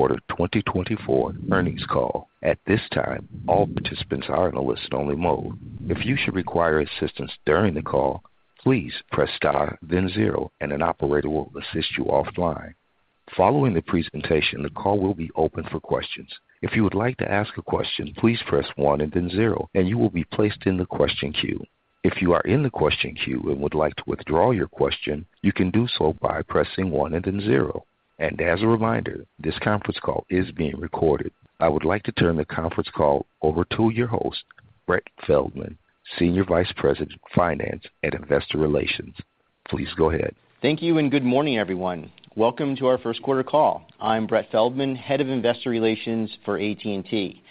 Recorded 2024 earnings call. At this time, all participants are in a listen-only mode. If you should require assistance during the call, please press star, then zero, and an operator will assist you offline. Following the presentation, the call will be open for questions. If you would like to ask a question, please press one and then zero, and you will be placed in the question queue. If you are in the question queue and would like to withdraw your question, you can do so by pressing one and then zero. As a reminder, this conference call is being recorded. I would like to turn the conference call over to your host, Brett Feldman, Senior Vice President, Finance and Investor Relations. Please go ahead. Thank you and good morning, everyone. Welcome to our first-quarter call. I'm Brett Feldman, Head of Investor Relations for AT&T.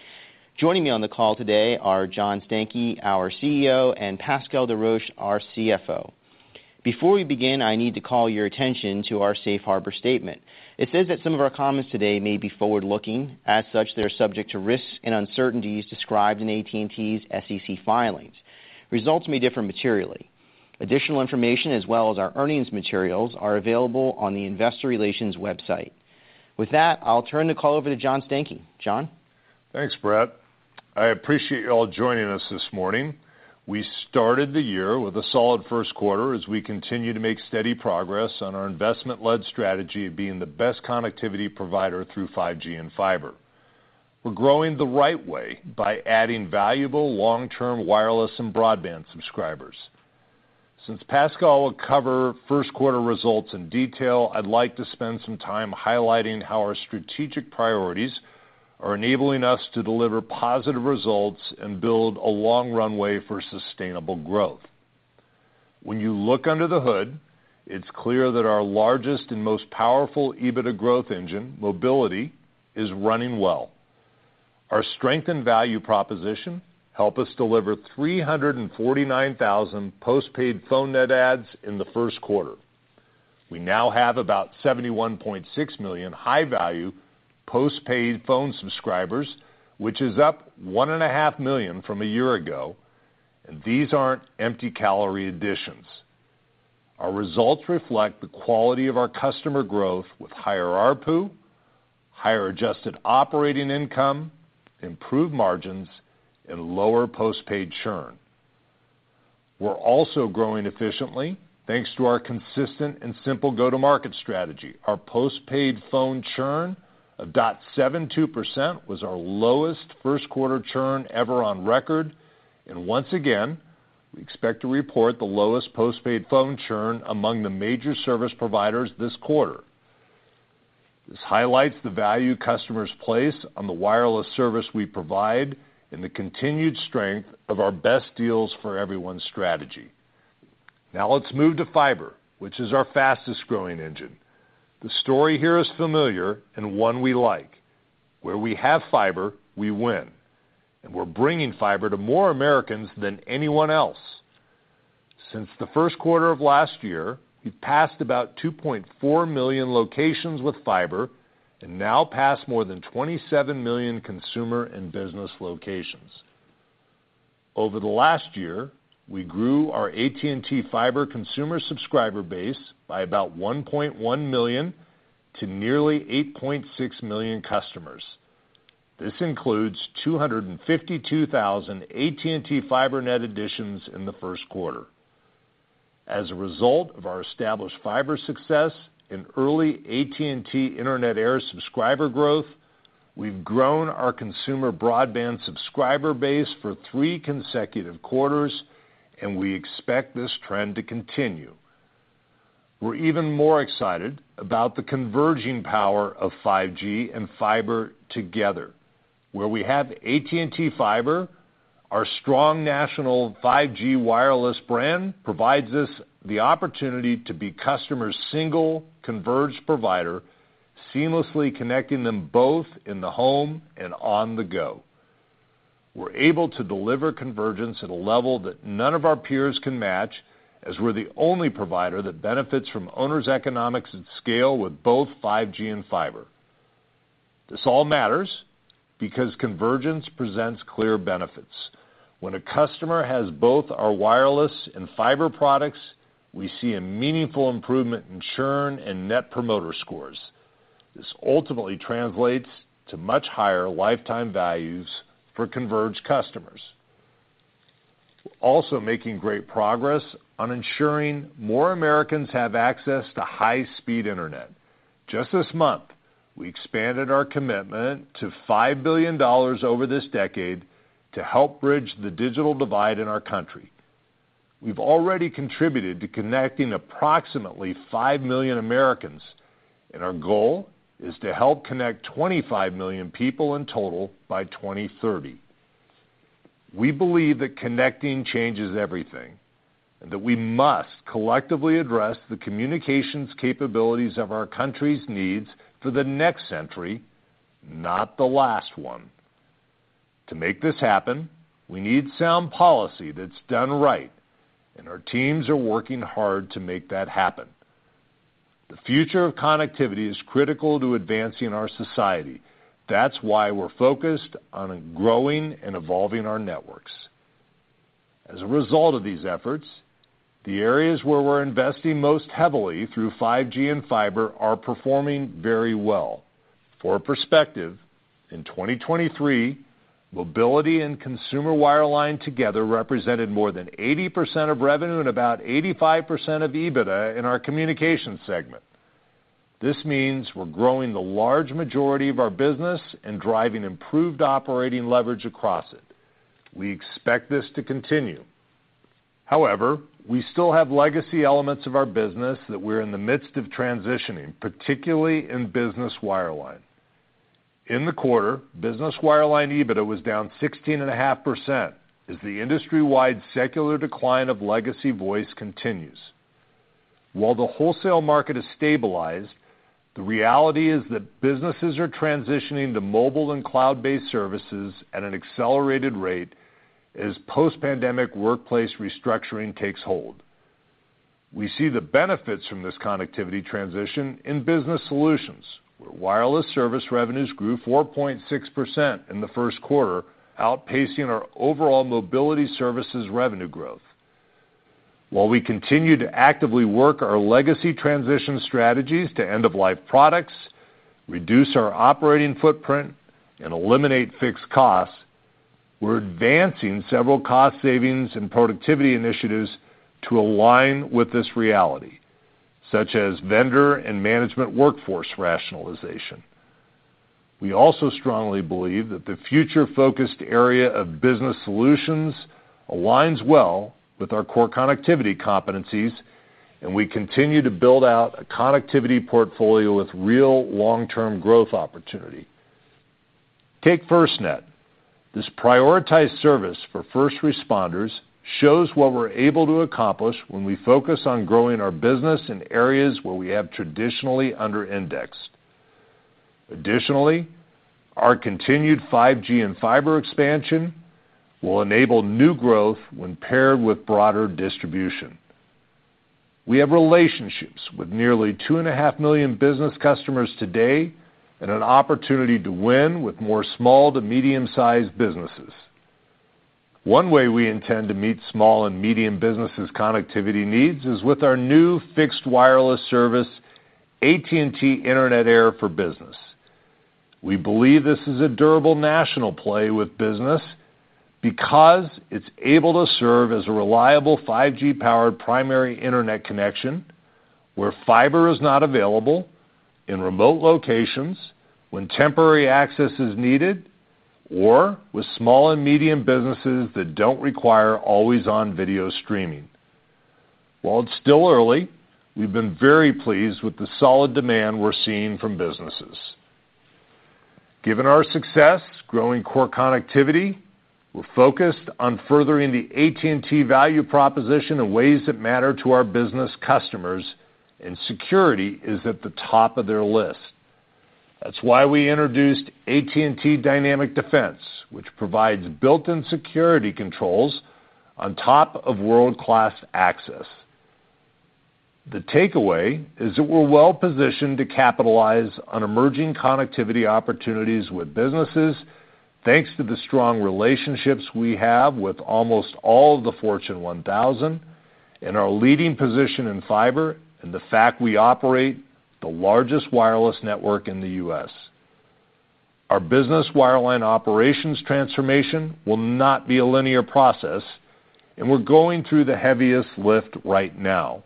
Joining me on the call today are John Stankey, our CEO; and Pascal Desroches, our CFO. Before we begin, I need to call your attention to our Safe Harbor Statement. It says that some of our comments today may be forward-looking. As such, they're subject to risks and uncertainties described in AT&T's SEC filings. Results may differ materially. Additional information, as well as our earnings materials, are available on the Investor Relations website. With that, I'll turn the call over to John Stankey. John? Thanks, Brett. I appreciate y'all joining us this morning. We started the year with a solid first quarter as we continue to make steady progress on our investment-led strategy of being the best connectivity provider through 5G and fiber. We're growing the right way by adding valuable long-term wireless and broadband subscribers. Since Pascal will cover first-quarter results in detail, I'd like to spend some time highlighting how our strategic priorities are enabling us to deliver positive results and build a long runway for sustainable growth. When you look under the hood, it's clear that our largest and most powerful EBITDA growth engine, mobility, is running well. Our strength and value proposition help us deliver 349,000 postpaid phone net adds in the first quarter. We now have about 71.6 million high-value postpaid phone subscribers, which is up 1.5 million from a year ago, and these aren't empty-calorie additions. Our results reflect the quality of our customer growth with higher ARPU, higher adjusted operating income, improved margins, and lower postpaid churn. We're also growing efficiently thanks to our consistent and simple go-to-market strategy. Our postpaid phone churn of 0.72% was our lowest first-quarter churn ever on record, and once again, we expect to report the lowest postpaid phone churn among the major service providers this quarter. This highlights the value customers place on the wireless service we provide and the continued strength of our Best Deals for Everyone strategy. Now let's move to fiber, which is our fastest-growing engine. The story here is familiar and one we like. Where we have fiber, we win, and we're bringing fiber to more Americans than anyone else. Since the first quarter of last year, we've passed about 2.4 million locations with fiber and now passed more than 27 million consumer and business locations. Over the last year, we grew our AT&T Fiber consumer subscriber base by about 1.1 million to nearly 8.6 million customers. This includes 252,000 AT&T Fiber net additions in the first quarter. As a result of our established fiber success and early AT&T Internet Air subscriber growth, we've grown our consumer broadband subscriber base for three consecutive quarters, and we expect this trend to continue. We're even more excited about the converging power of 5G and fiber together. Where we have AT&T Fiber, our strong national 5G wireless brand provides us the opportunity to be customers' single converged provider, seamlessly connecting them both in the home and on the go. We're able to deliver convergence at a level that none of our peers can match, as we're the only provider that benefits from owners' economics at scale with both 5G and fiber. This all matters because convergence presents clear benefits. When a customer has both our wireless and fiber products, we see a meaningful improvement in churn and Net Promoter Scores. This ultimately translates to much higher lifetime values for converged customers. We're also making great progress on ensuring more Americans have access to high-speed internet. Just this month, we expanded our commitment to $5 billion over this decade to help bridge the digital divide in our country. We've already contributed to connecting approximately 5 million Americans, and our goal is to help connect 25 million people in total by 2030. We believe that connecting changes everything and that we must collectively address the communications capabilities of our country's needs for the next century, not the last one. To make this happen, we need sound policy that's done right, and our teams are working hard to make that happen. The future of connectivity is critical to advancing our society. That's why we're focused on growing and evolving our networks. As a result of these efforts, the areas where we're investing most heavily through 5G and fiber are performing very well. For perspective, in 2023, mobility and consumer wireline together represented more than 80% of revenue and about 85% of EBITDA in our communications segment. This means we're growing the large majority of our business and driving improved operating leverage across it. We expect this to continue. However, we still have legacy elements of our business that we're in the midst of transitioning, particularly in business wireline. In the quarter, business wireline EBITDA was down 16.5% as the industry-wide secular decline of legacy voice continues. While the wholesale market is stabilized, the reality is that businesses are transitioning to mobile and cloud-based services at an accelerated rate as post-pandemic workplace restructuring takes hold. We see the benefits from this connectivity transition in business solutions, where wireless service revenues grew 4.6% in the first quarter, outpacing our overall mobility services revenue growth. While we continue to actively work our legacy transition strategies to end-of-life products, reduce our operating footprint, and eliminate fixed costs, we're advancing several cost savings and productivity initiatives to align with this reality, such as vendor and management workforce rationalization. We also strongly believe that the future-focused area of business solutions aligns well with our core connectivity competencies, and we continue to build out a connectivity portfolio with real long-term growth opportunity. Take FirstNet. This prioritized service for first responders shows what we're able to accomplish when we focus on growing our business in areas where we have traditionally under-indexed. Additionally, our continued 5G and fiber expansion will enable new growth when paired with broader distribution. We have relationships with nearly 2.5 million business customers today and an opportunity to win with more small to medium-sized businesses. One way we intend to meet small and medium businesses' connectivity needs is with our new fixed wireless service, AT&T Internet Air for Business. We believe this is a durable national play with business because it's able to serve as a reliable 5G-powered primary internet connection where fiber is not available, in remote locations, when temporary access is needed, or with small and medium businesses that don't require always-on video streaming. While it's still early, we've been very pleased with the solid demand we're seeing from businesses. Given our success growing core connectivity, we're focused on furthering the AT&T value proposition in ways that matter to our business customers, and security is at the top of their list. That's why we introduced AT&T Dynamic Defense, which provides built-in security controls on top of world-class access. The takeaway is that we're well-positioned to capitalize on emerging connectivity opportunities with businesses thanks to the strong relationships we have with almost all of the Fortune 1000, and our leading position in fiber, and the fact we operate the largest wireless network in the U.S. Our business wireline operations transformation will not be a linear process, and we're going through the heaviest lift right now.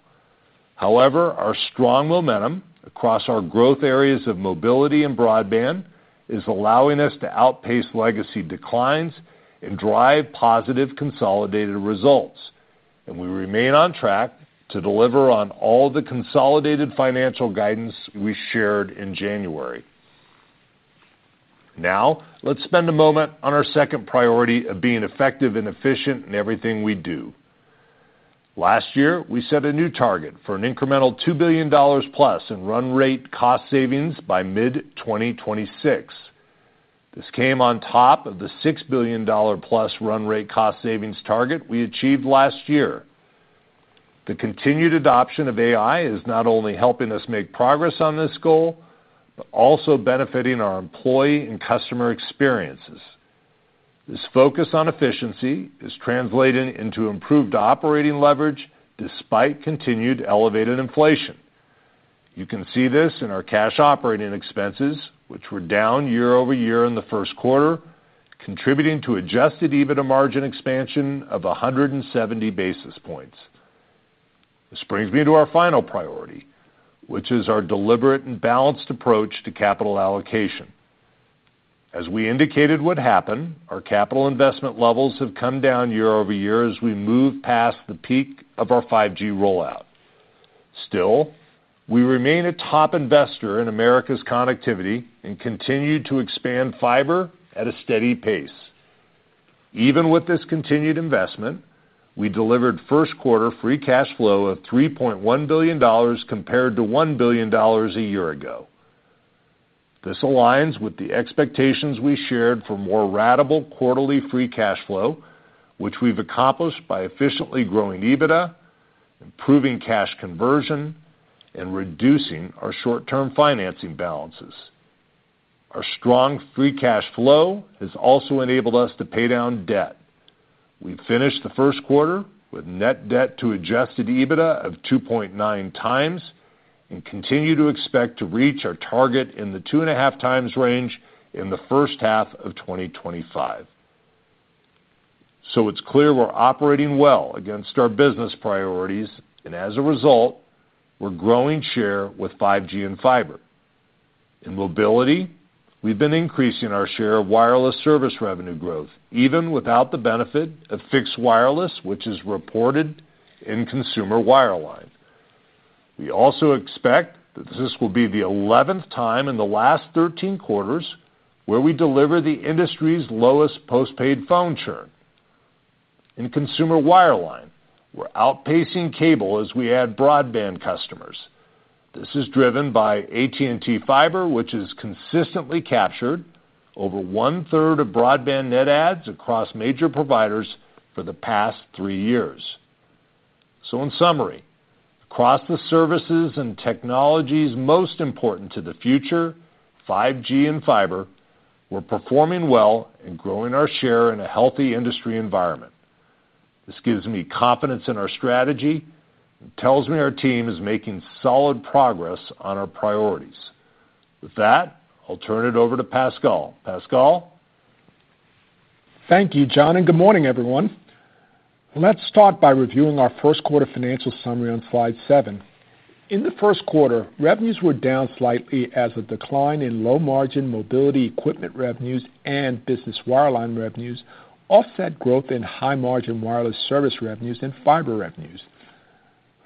However, our strong momentum across our growth areas of mobility and broadband is allowing us to outpace legacy declines and drive positive consolidated results, and we remain on track to deliver on all the consolidated financial guidance we shared in January. Now let's spend a moment on our second priority of being effective and efficient in everything we do. Last year, we set a new target for an incremental $2 billion plus in run-rate cost savings by mid-2026. This came on top of the $6 billion plus run-rate cost savings target we achieved last year. The continued adoption of AI is not only helping us make progress on this goal but also benefiting our employee and customer experiences. This focus on efficiency is translating into improved operating leverage despite continued elevated inflation. You can see this in our cash operating expenses, which were down year-over-year in the first quarter, contributing to adjusted EBITDA margin expansion of 170 basis points. This brings me to our final priority, which is our deliberate and balanced approach to capital allocation. As we indicated would happen, our capital investment levels have come down year-over-year as we move past the peak of our 5G rollout. Still, we remain a top investor in America's connectivity and continue to expand fiber at a steady pace. Even with this continued investment, we delivered first-quarter free cash flow of $3.1 billion compared to $1 billion a year ago. This aligns with the expectations we shared for more ratable quarterly free cash flow, which we've accomplished by efficiently growing EBITDA, improving cash conversion, and reducing our short-term financing balances. Our strong free cash flow has also enabled us to pay down debt. We've finished the first quarter with net debt to adjusted EBITDA of 2.9x and continue to expect to reach our target in the 2.5x range in the first half of 2025. So it's clear we're operating well against our business priorities, and as a result, we're growing share with 5G and fiber. In mobility, we've been increasing our share of wireless service revenue growth, even without the benefit of fixed wireless, which is reported in consumer wireline. We also expect that this will be the 11th time in the last 13 quarters where we deliver the industry's lowest postpaid phone churn. In consumer wireline, we're outpacing cable as we add broadband customers. This is driven by AT&T Fiber, which has consistently captured over one-third of broadband net adds across major providers for the past three years. In summary, across the services and technologies most important to the future, 5G and fiber, we're performing well and growing our share in a healthy industry environment. This gives me confidence in our strategy and tells me our team is making solid progress on our priorities. With that, I'll turn it over to Pascal. Pascal? Thank you, John, and good morning, everyone. Let's start by reviewing our first-quarter financial summary on slide seven. In the first quarter, revenues were down slightly as a decline in low-margin mobility equipment revenues and business wireline revenues offset growth in high-margin wireless service revenues and fiber revenues.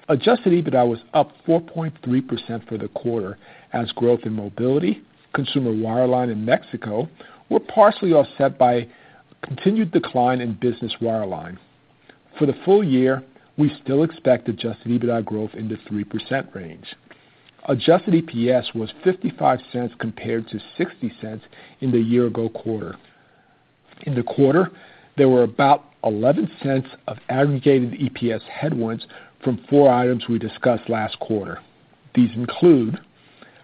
Adjusted EBITDA was up 4.3% for the quarter as growth in mobility, consumer wireline and Mexico were partially offset by continued decline in business wireline. For the full year, we still expect adjusted EBITDA growth in the 3% range. Adjusted EPS was $0.55 compared to $0.60 in the year-ago quarter. In the quarter, there were about $0.11 of aggregated EPS headwinds from four items we discussed last quarter. These include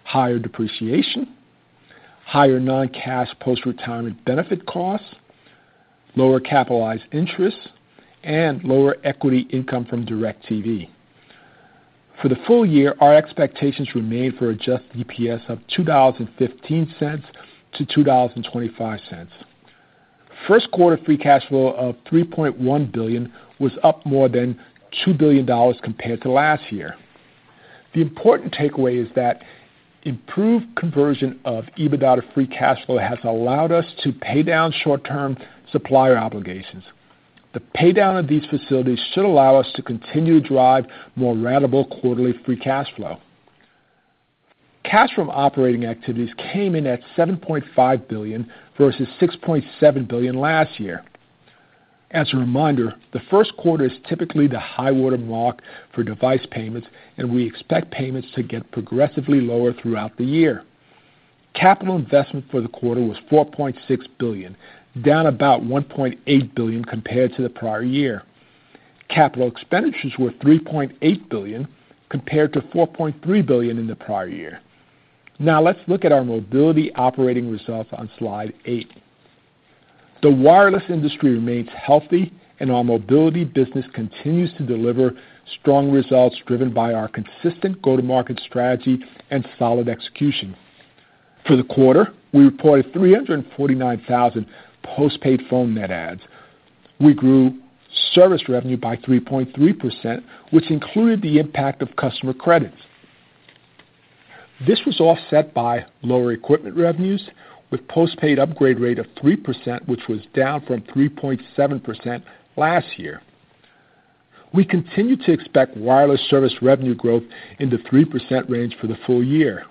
higher depreciation, higher non-cash post-retirement benefit costs, lower capitalized interest, and lower equity income from DIRECTV. For the full year, our expectations remain for adjusted EPS of $20.15-$20.25. First-quarter free cash flow of $3.1 billion was up more than $2 billion compared to last year. The important takeaway is that improved conversion of EBITDA to free cash flow has allowed us to pay down short-term supplier obligations. The paydown of these facilities should allow us to continue to drive more ratable quarterly free cash flow. Cash from operating activities came in at $7.5 billion versus $6.7 billion last year. As a reminder, the first quarter is typically the high-water mark for device payments, and we expect payments to get progressively lower throughout the year. Capital investment for the quarter was $4.6 billion, down about $1.8 billion compared to the prior year. Capital expenditures were $3.8 billion compared to $4.3 billion in the prior year. Now let's look at our mobility operating results on slide eight. The wireless industry remains healthy, and our Mobility business continues to deliver strong results driven by our consistent go-to-market strategy and solid execution. For the quarter, we reported 349,000 postpaid phone net adds. We grew service revenue by 3.3%, which included the impact of customer credits. This was offset by lower equipment revenues with a postpaid upgrade rate of 3%, which was down from 3.7% last year. We continue to expect wireless service revenue growth in the 3% range for the full year.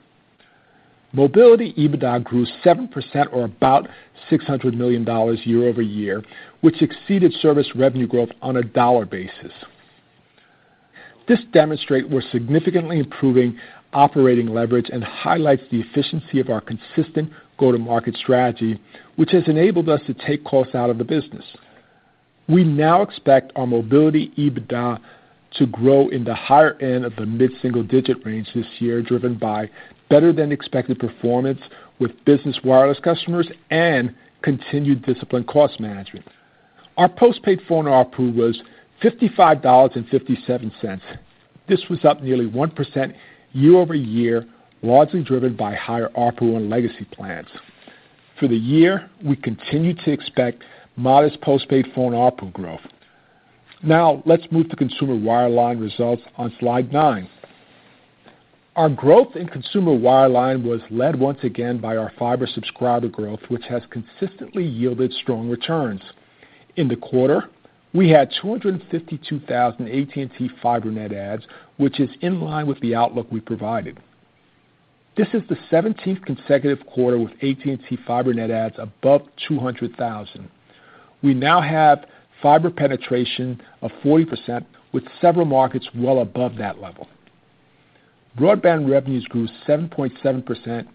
Mobility EBITDA grew 7% or about $600 million year-over-year, which exceeded service revenue growth on a dollar basis. This demonstrates we're significantly improving operating leverage and highlights the efficiency of our consistent go-to-market strategy, which has enabled us to take costs out of the business. We now expect our mobility EBITDA to grow in the higher end of the mid-single-digit range this year, driven by better-than-expected performance with business wireless customers and continued disciplined cost management. Our postpaid phone ARPU was $55.57. This was up nearly 1% year-over-year, largely driven by higher ARPU on legacy plans. For the year, we continue to expect modest postpaid phone ARPU growth. Now let's move to consumer wireline results on slide nine. Our growth in consumer wireline was led once again by our fiber subscriber growth, which has consistently yielded strong returns. In the quarter, we had 252,000 AT&T Fiber net adds, which is in line with the outlook we provided. This is the 17th consecutive quarter with AT&T Fiber net adds above 200,000. We now have fiber penetration of 40%, with several markets well above that level. Broadband revenues grew 7.7%,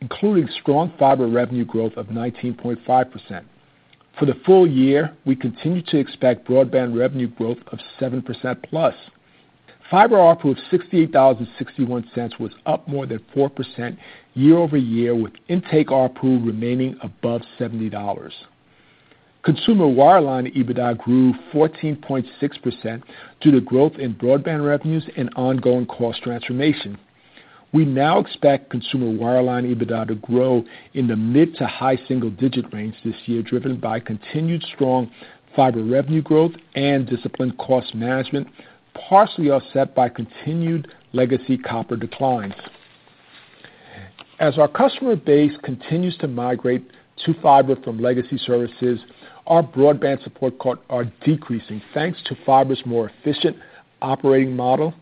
including strong fiber revenue growth of 19.5%. For the full year, we continue to expect broadband revenue growth of 7%+. Fiber ARPU of $68.61 was up more than 4% year-over-year, with intake ARPU remaining above $70. Consumer wireline EBITDA grew 14.6% due to growth in broadband revenues and ongoing cost transformation. We now expect consumer wireline EBITDA to grow in the mid to high single-digit range this year, driven by continued strong fiber revenue growth and disciplined cost management, partially offset by continued legacy copper declines. As our customer base continues to migrate to fiber from legacy services, our broadband support costs are decreasing thanks to fiber's more efficient operating model,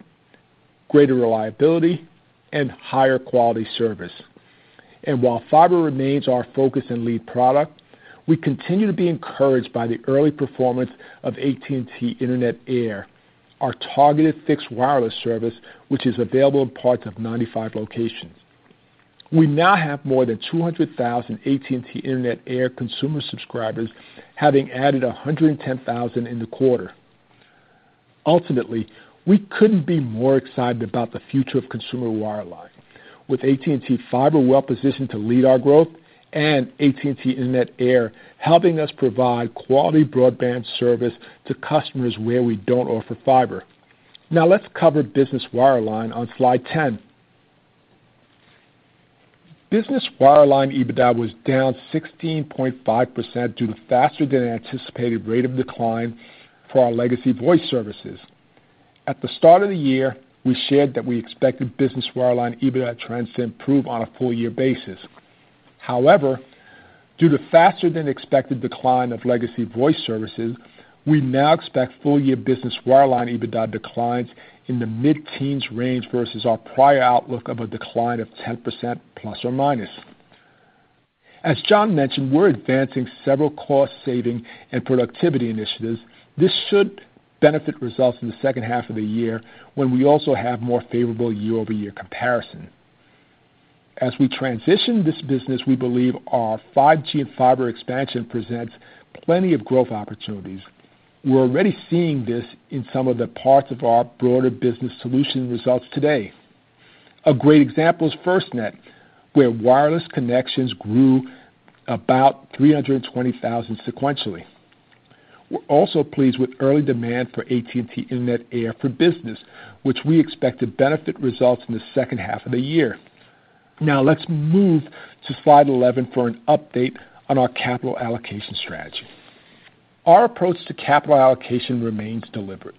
greater reliability, and higher quality service. While fiber remains our focus and lead product, we continue to be encouraged by the early performance of AT&T Internet Air, our targeted fixed wireless service, which is available in parts of 95 locations. We now have more than 200,000 AT&T Internet Air consumer subscribers, having added 110,000 in the quarter. Ultimately, we couldn't be more excited about the future of consumer wireline, with AT&T fiber well-positioned to lead our growth and AT&T Internet Air helping us provide quality broadband service to customers where we don't offer fiber. Now let's cover business wireline on slide 10. Business wireline EBITDA was down 16.5% due to faster-than-anticipated rate of decline for our legacy voice services. At the start of the year, we shared that we expected business wireline EBITDA trends to improve on a full-year basis. However, due to faster-than-expected decline of legacy voice services, we now expect full-year business wireline EBITDA declines in the mid-teens range versus our prior outlook of a decline of 10%±. As John mentioned, we're advancing several cost-saving and productivity initiatives. This should benefit results in the second half of the year when we also have more favorable year-over-year comparison. As we transition this business, we believe our 5G and fiber expansion presents plenty of growth opportunities. We're already seeing this in some of the parts of our broader business solution results today. A great example is FirstNet, where wireless connections grew about 320,000 sequentially. We're also pleased with early demand for AT&T Internet Air for Business, which we expect to benefit results in the second half of the year. Now let's move to slide 11 for an update on our capital allocation strategy. Our approach to capital allocation remains deliberate.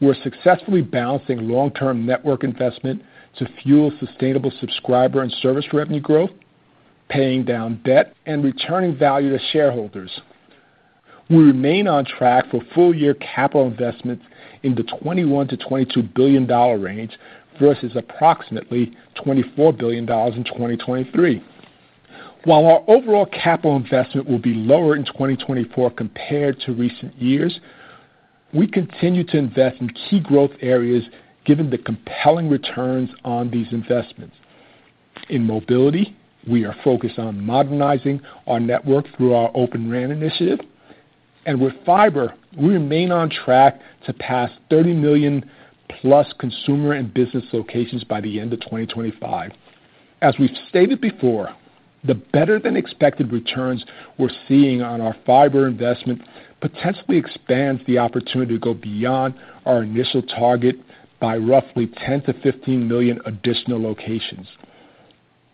We're successfully balancing long-term network investment to fuel sustainable subscriber and service revenue growth, paying down debt, and returning value to shareholders. We remain on track for full-year capital investments in the $21 billion-$22 billion range versus approximately $24 billion in 2023. While our overall capital investment will be lower in 2024 compared to recent years, we continue to invest in key growth areas given the compelling returns on these investments. In mobility, we are focused on modernizing our network through our Open RAN initiative. And with fiber, we remain on track to pass 30 million-plus consumer and business locations by the end of 2025. As we've stated before, the better-than-expected returns we're seeing on our fiber investment potentially expand the opportunity to go beyond our initial target by roughly 10-15 million additional locations.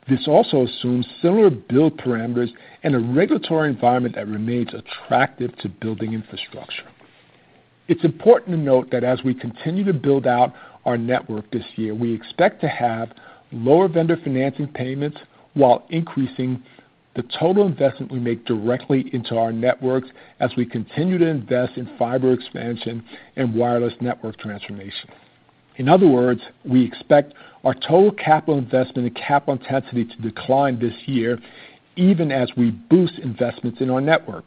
This also assumes similar build parameters and a regulatory environment that remains attractive to building infrastructure. It's important to note that as we continue to build out our network this year, we expect to have lower vendor financing payments while increasing the total investment we make directly into our networks as we continue to invest in fiber expansion and wireless network transformation. In other words, we expect our total capital investment and cap intensity to decline this year even as we boost investments in our network.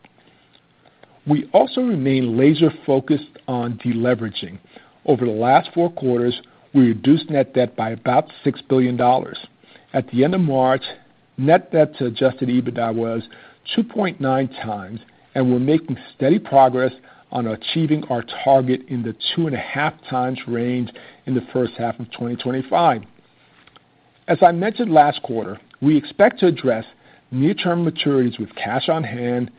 We also remain laser-focused on deleveraging. Over the last four quarters, we reduced net debt by about $6 billion. At the end of March, net debt to Adjusted EBITDA was 2.9x, and we're making steady progress on achieving our target in the 2.5x range in the first half of 2025. As I mentioned last quarter, we expect to address near-term maturities with cash on hand,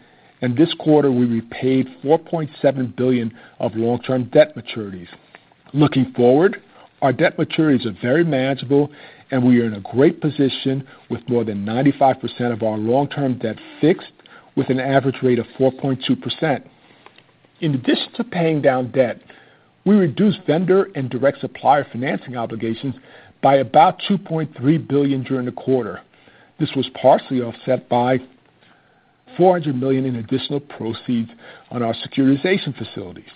and this quarter, we repaid $4.7 billion of long-term debt maturities. Looking forward, our debt maturities are very manageable, and we are in a great position with more than 95% of our long-term debt fixed with an average rate of 4.2%. In addition to paying down debt, we reduced vendor and direct supplier financing obligations by about $2.3 billion during the quarter. This was partially offset by $400 million in additional proceeds on our securitization facilities.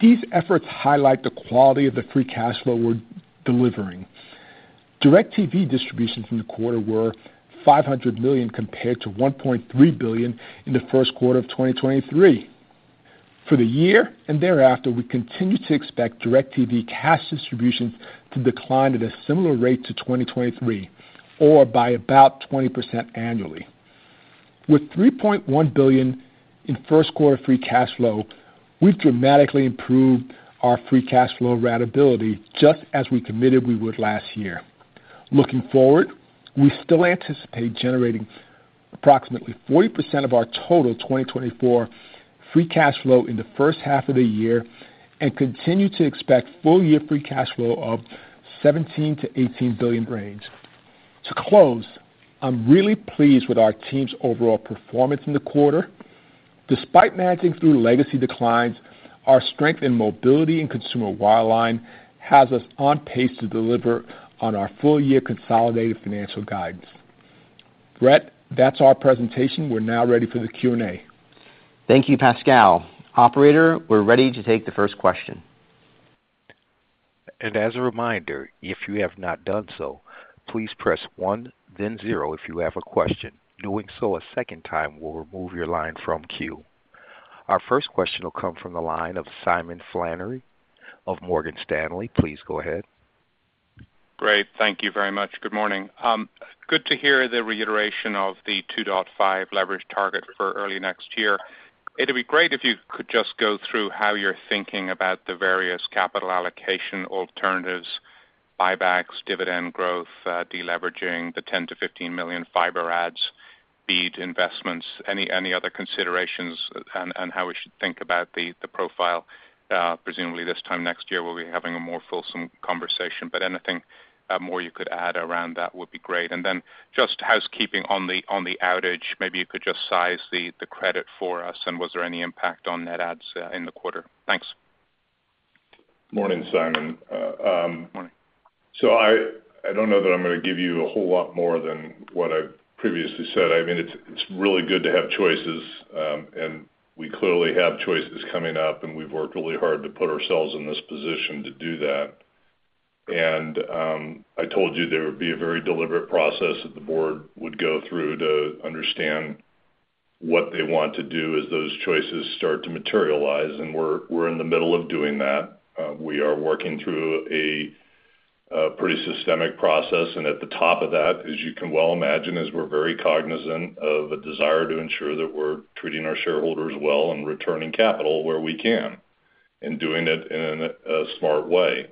These efforts highlight the quality of the free cash flow we're delivering. DIRECTV distributions in the quarter were $500 million compared to $1.3 billion in the first quarter of 2023. For the year and thereafter, we continue to expect DirecTV cash distributions to decline at a similar rate to 2023 or by about 20% annually. With $3.1 billion in first-quarter free cash flow, we've dramatically improved our free cash flow ratability just as we committed we would last year. Looking forward, we still anticipate generating approximately 40% of our total 2024 free cash flow in the first half of the year and continue to expect full-year free cash flow of $17 billion-$18 billion range. To close, I'm really pleased with our team's overall performance in the quarter. Despite managing through legacy declines, our strength in mobility and consumer wireline has us on pace to deliver on our full-year consolidated financial guidance. Brett, that's our presentation. We're now ready for the Q&A. Thank you, Pascal. Operator, we're ready to take the first question. As a reminder, if you have not done so, please press one, then zero if you have a question. Doing so a second time will remove your line from queue. Our first question will come from the line of Simon Flannery of Morgan Stanley. Please go ahead. Great. Thank you very much. Good morning. Good to hear the reiteration of the 2.5 leverage target for early next year. It'd be great if you could just go through how you're thinking about the various capital allocation alternatives: buybacks, dividend growth, deleveraging, the 10 million-15 million fiber adds, BEAD investments, any other considerations, and how we should think about the profile. Presumably, this time next year, we'll be having a more fulsome conversation. But anything more you could add around that would be great. And then just housekeeping on the outage, maybe you could just size the credit for us. And was there any impact on net adds in the quarter? Thanks. Morning, Simon. Good morning. So I don't know that I'm going to give you a whole lot more than what I've previously said. I mean, it's really good to have choices, and we clearly have choices coming up, and we've worked really hard to put ourselves in this position to do that. And I told you there would be a very deliberate process that the board would go through to understand what they want to do as those choices start to materialize. And we're in the middle of doing that. We are working through a pretty systematic process. And at the top of that, as you can well imagine, is we're very cognizant of a desire to ensure that we're treating our shareholders well and returning capital where we can and doing it in a smart way.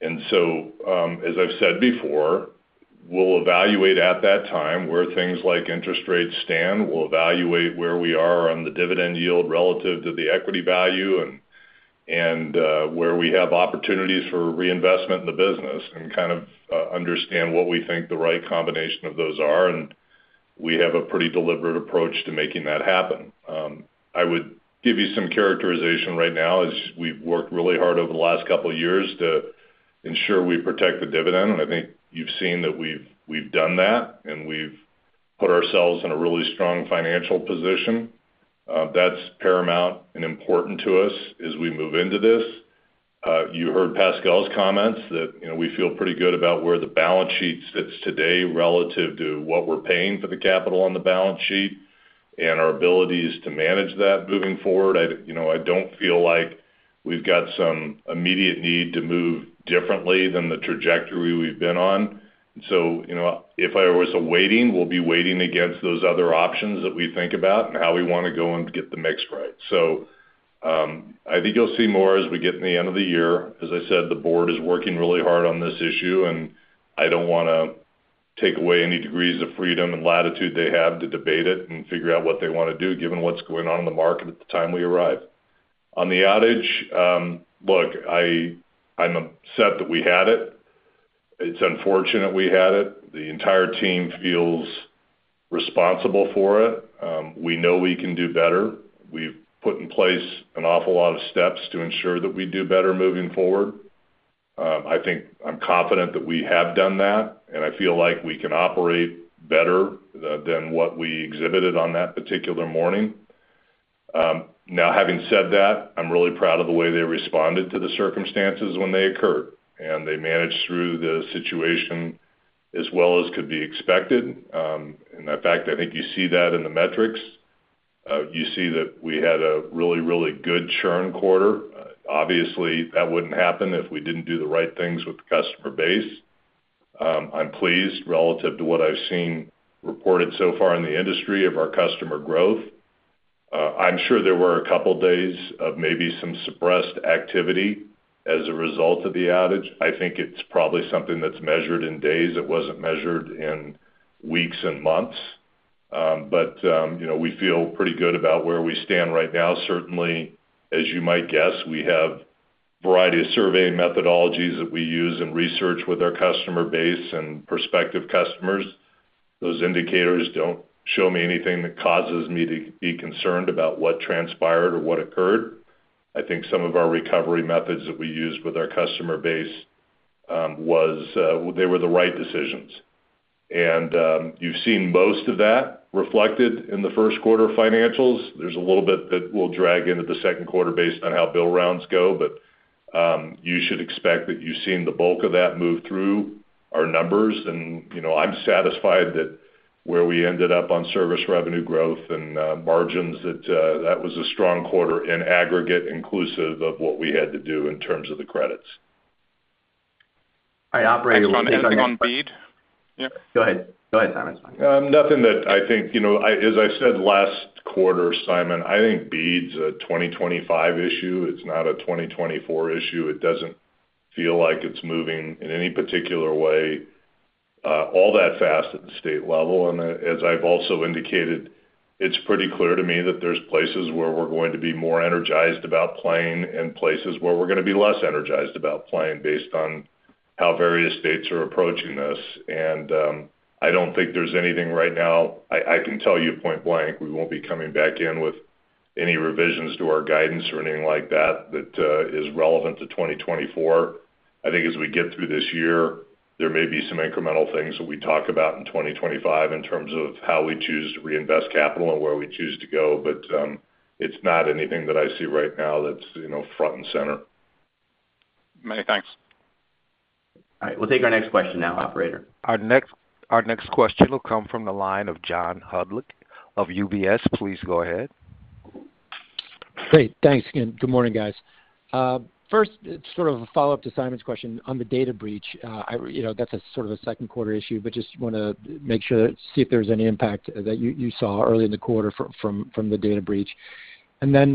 And so, as I've said before, we'll evaluate at that time where things like interest rates stand. We'll evaluate where we are on the dividend yield relative to the equity value and where we have opportunities for reinvestment in the business and kind of understand what we think the right combination of those are. And we have a pretty deliberate approach to making that happen. I would give you some characterization right now. We've worked really hard over the last couple of years to ensure we protect the dividend. And I think you've seen that we've done that, and we've put ourselves in a really strong financial position. That's paramount and important to us as we move into this. You heard Pascal's comments that we feel pretty good about where the balance sheet sits today relative to what we're paying for the capital on the balance sheet and our abilities to manage that moving forward. I don't feel like we've got some immediate need to move differently than the trajectory we've been on. And so if I was awaiting, we'll be waiting against those other options that we think about and how we want to go and get the mix right. So I think you'll see more as we get to the end of the year. As I said, the board is working really hard on this issue, and I don't want to take away any degrees of freedom and latitude they have to debate it and figure out what they want to do given what's going on in the market at the time we arrive. On the outage, look, I'm upset that we had it. It's unfortunate we had it. The entire team feels responsible for it. We know we can do better. We've put in place an awful lot of steps to ensure that we do better moving forward. I'm confident that we have done that, and I feel like we can operate better than what we exhibited on that particular morning. Now, having said that, I'm really proud of the way they responded to the circumstances when they occurred. And they managed through the situation as well as could be expected. In fact, I think you see that in the metrics. You see that we had a really, really good churn quarter. Obviously, that wouldn't happen if we didn't do the right things with the customer base. I'm pleased relative to what I've seen reported so far in the industry of our customer growth. I'm sure there were a couple of days of maybe some suppressed activity as a result of the outage. I think it's probably something that's measured in days. It wasn't measured in weeks and months. But we feel pretty good about where we stand right now. Certainly, as you might guess, we have a variety of survey methodologies that we use in research with our customer base and prospective customers. Those indicators don't show me anything that causes me to be concerned about what transpired or what occurred. I think some of our recovery methods that we used with our customer base, they were the right decisions. And you've seen most of that reflected in the first quarter financials. There's a little bit that we'll drag into the second quarter based on how bill rounds go, but you should expect that you've seen the bulk of that move through our numbers. And I'm satisfied that where we ended up on service revenue growth and margins, that was a strong quarter in aggregate, inclusive of what we had to do in terms of the credits. I'll opine on BEAD. Yeah. Go ahead. Go ahead, Simon. It's fine. Nothing that I think as I said last quarter, Simon, I think BEAD's a 2025 issue. It's not a 2024 issue. It doesn't feel like it's moving in any particular way all that fast at the state level. And as I've also indicated, it's pretty clear to me that there's places where we're going to be more energized about playing and places where we're going to be less energized about playing based on how various states are approaching this. And I don't think there's anything right now I can tell you point blank. We won't be coming back in with any revisions to our guidance or anything like that that is relevant to 2024. I think as we get through this year, there may be some incremental things that we talk about in 2025 in terms of how we choose to reinvest capital and where we choose to go. But it's not anything that I see right now that's front and center. Many thanks. All right. We'll take our next question now, operator. Our next question will come from the line of John Hodulik of UBS. Please go ahead. Great. Thanks again. Good morning, guys. First, it's sort of a follow-up to Simon's question on the data breach. That's sort of a second quarter issue, but just want to make sure to see if there's any impact that you saw early in the quarter from the data breach. And then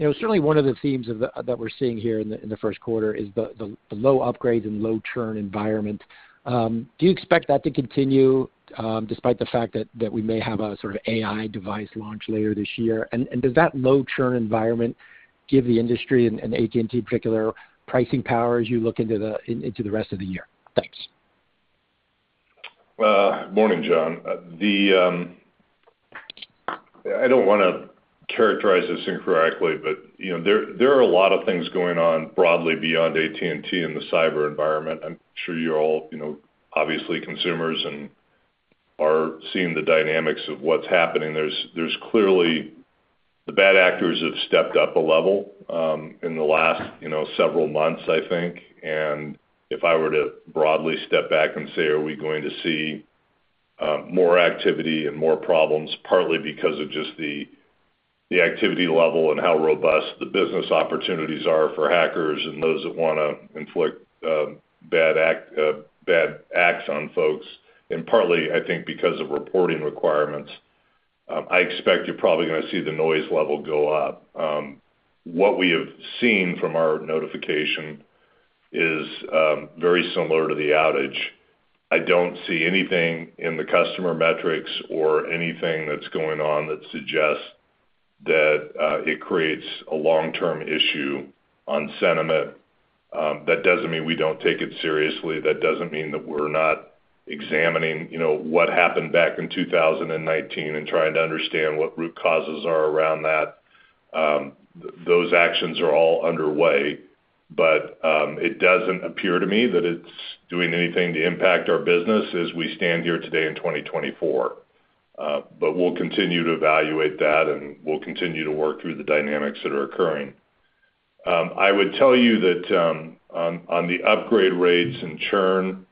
certainly, one of the themes that we're seeing here in the first quarter is the low upgrades and low churn environment. Do you expect that to continue despite the fact that we may have a sort of AI device launch later this year? And does that low churn environment give the industry and AT&T in particular pricing power as you look into the rest of the year? Thanks. Morning, John. I don't want to characterize this incorrectly, but there are a lot of things going on broadly beyond AT&T in the cyber environment. I'm sure you're all obviously consumers and are seeing the dynamics of what's happening. There's clearly the bad actors have stepped up a level in the last several months, I think. And if I were to broadly step back and say, "Are we going to see more activity and more problems?" partly because of just the activity level and how robust the business opportunities are for hackers and those that want to inflict bad acts on folks, and partly, I think, because of reporting requirements, I expect you're probably going to see the noise level go up. What we have seen from our notification is very similar to the outage. I don't see anything in the customer metrics or anything that's going on that suggests that it creates a long-term issue on sentiment. That doesn't mean we don't take it seriously. That doesn't mean that we're not examining what happened back in 2019 and trying to understand what root causes are around that. Those actions are all underway, but it doesn't appear to me that it's doing anything to impact our business as we stand here today in 2024. But we'll continue to evaluate that, and we'll continue to work through the dynamics that are occurring. I would tell you that on the upgrade rates and churn,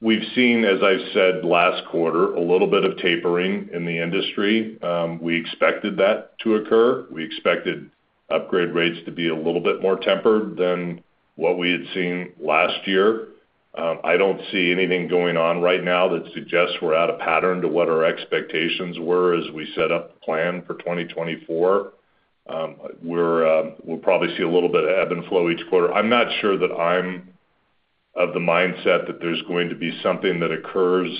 we've seen, as I've said last quarter, a little bit of tapering in the industry. We expected that to occur. We expected upgrade rates to be a little bit more tempered than what we had seen last year. I don't see anything going on right now that suggests we're out of pattern to what our expectations were as we set up the plan for 2024. We'll probably see a little bit of ebb and flow each quarter. I'm not sure that I'm of the mindset that there's going to be something that occurs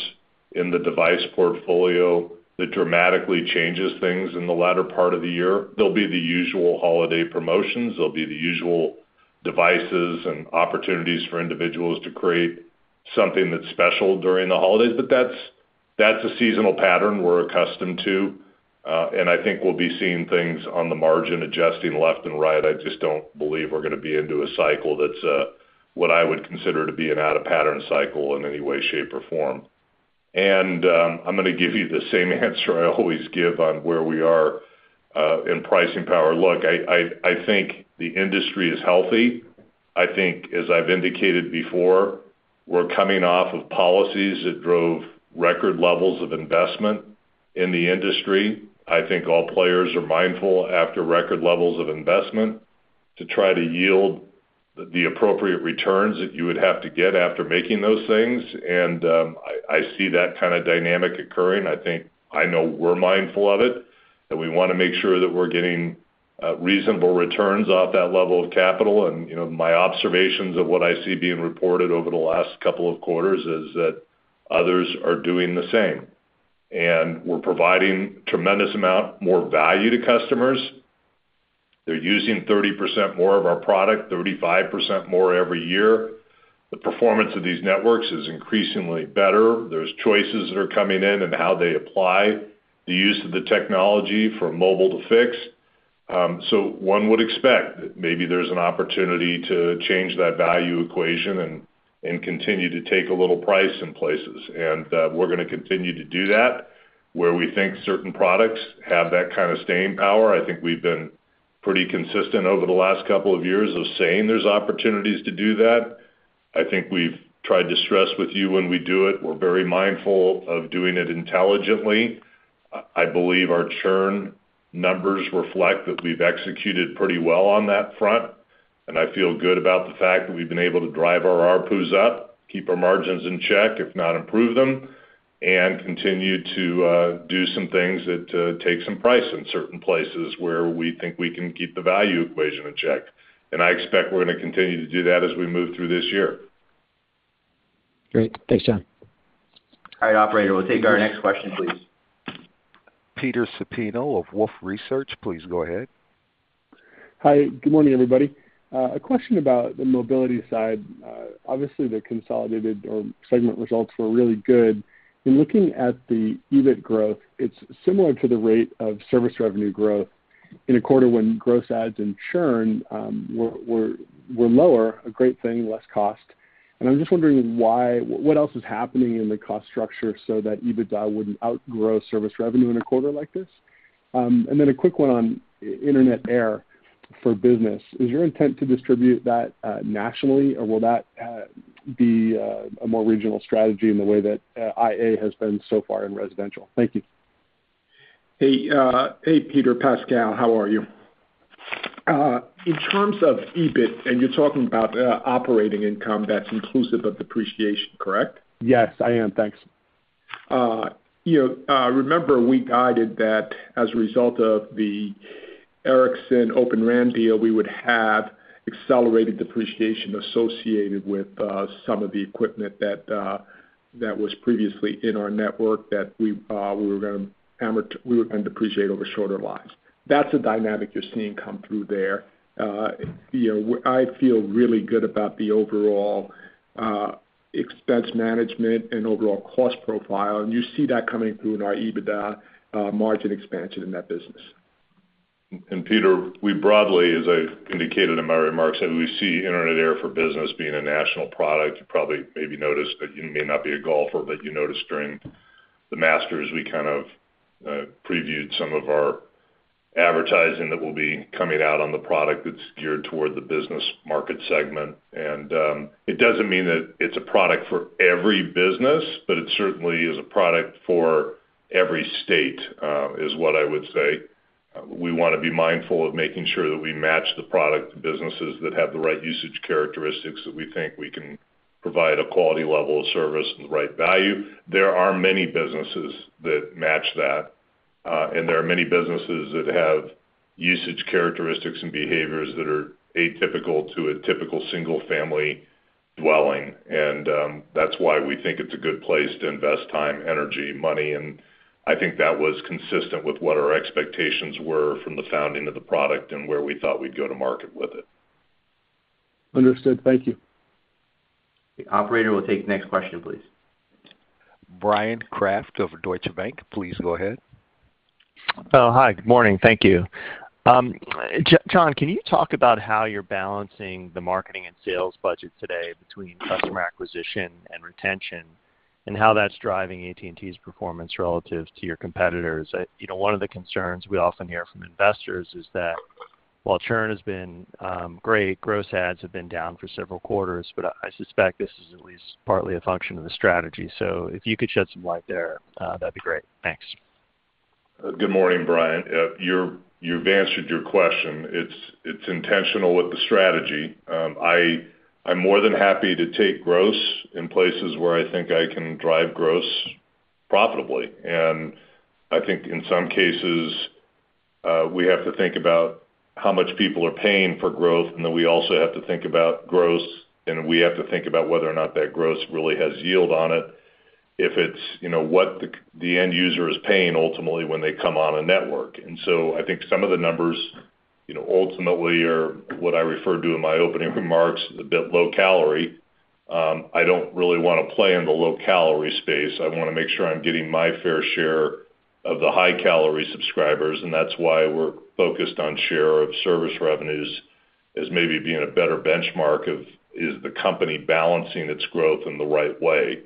in the device portfolio that dramatically changes things in the latter part of the year. There'll be the usual holiday promotions. There'll be the usual devices and opportunities for individuals to create something that's special during the holidays. But that's a seasonal pattern we're accustomed to. And I think we'll be seeing things on the margin adjusting left and right. I just don't believe we're going to be into a cycle that's what I would consider to be an out-of-pattern cycle in any way, shape, or form. And I'm going to give you the same answer I always give on where we are in pricing power. Look, I think the industry is healthy. I think, as I've indicated before, we're coming off of policies that drove record levels of investment in the industry. I think all players are mindful after record levels of investment to try to yield the appropriate returns that you would have to get after making those things. And I see that kind of dynamic occurring. I know we're mindful of it, and we want to make sure that we're getting reasonable returns off that level of capital. And my observations of what I see being reported over the last couple of quarters is that others are doing the same. And we're providing a tremendous amount more value to customers. They're using 30% more of our product, 35% more every year. The performance of these networks is increasingly better. There's choices that are coming in and how they apply the use of the technology from mobile to fixed. One would expect that maybe there's an opportunity to change that value equation and continue to take a little price in places. We're going to continue to do that where we think certain products have that kind of staying power. I think we've been pretty consistent over the last couple of years of saying there's opportunities to do that. I think we've tried to stress with you when we do it. We're very mindful of doing it intelligently. I believe our churn numbers reflect that we've executed pretty well on that front. I feel good about the fact that we've been able to drive our ARPUs up, keep our margins in check, if not improve them, and continue to do some things that take some price in certain places where we think we can keep the value equation in check. And I expect we're going to continue to do that as we move through this year. Great. Thanks, John. All right, operator. We'll take our next question, please. Peter Supino of Wolfe Research. Please go ahead. Hi. Good morning, everybody. A question about the mobility side. Obviously, the consolidated or segment results were really good. In looking at the EBIT growth, it's similar to the rate of service revenue growth in a quarter when gross adds and churn were lower, a great thing, less cost. And I'm just wondering what else is happening in the cost structure so that EBITDA wouldn't outgrow service revenue in a quarter like this? And then a quick one on Internet Air for Business. Is your intent to distribute that nationally, or will that be a more regional strategy in the way that IA has been so far in residential? Thank you. Hey, Peter, Pascal. How are you? In terms of EBIT, and you're talking about operating income that's inclusive of depreciation, correct? Yes, I am. Thanks. Remember, we guided that as a result of the Ericsson Open RAN deal, we would have accelerated depreciation associated with some of the equipment that was previously in our network that we were going to depreciate over shorter lives. That's a dynamic you're seeing come through there. I feel really good about the overall expense management and overall cost profile. You see that coming through in our EBITDA margin expansion in that business. Peter, we broadly, as I indicated in my remarks, we see Internet Air for Business being a national product. You probably maybe noticed that you may not be a golfer, but you noticed during the Masters, we kind of previewed some of our advertising that will be coming out on the product that's geared toward the business market segment. It doesn't mean that it's a product for every business, but it certainly is a product for every state, what I would say. We want to be mindful of making sure that we match the product to businesses that have the right usage characteristics that we think we can provide a quality level of service and the right value. There are many businesses that match that. And there are many businesses that have usage characteristics and behaviors that are atypical to a typical single-family dwelling. And that's why we think it's a good place to invest time, energy, money. I think that was consistent with what our expectations were from the founding of the product and where we thought we'd go to market with it. Understood. Thank you. Operator will take the next question, please. Bryan Kraft of Deutsche Bank. Please go ahead. Hi. Good morning. Thank you. John, can you talk about how you're balancing the marketing and sales budget today between customer acquisition and retention and how that's driving AT&T's performance relative to your competitors? One of the concerns we often hear from investors is that while churn has been great, gross adds have been down for several quarters, but I suspect this is at least partly a function of the strategy. So if you could shed some light there, that'd be great. Thanks. Good morning, Bryan. You've answered your question. It's intentional with the strategy. I'm more than happy to take gross in places where I think I can drive gross profitably. And I think in some cases, we have to think about how much people are paying for growth, and then we also have to think about gross, and we have to think about whether or not that gross really has yield on it, if it's what the end user is paying ultimately when they come on a network. And so I think some of the numbers ultimately are what I referred to in my opening remarks, a bit low-calorie. I don't really want to play in the low-calorie space. I want to make sure I'm getting my fair share of the high-calorie subscribers. And that's why we're focused on share of service revenues as maybe being a better benchmark of is the company balancing its growth in the right way?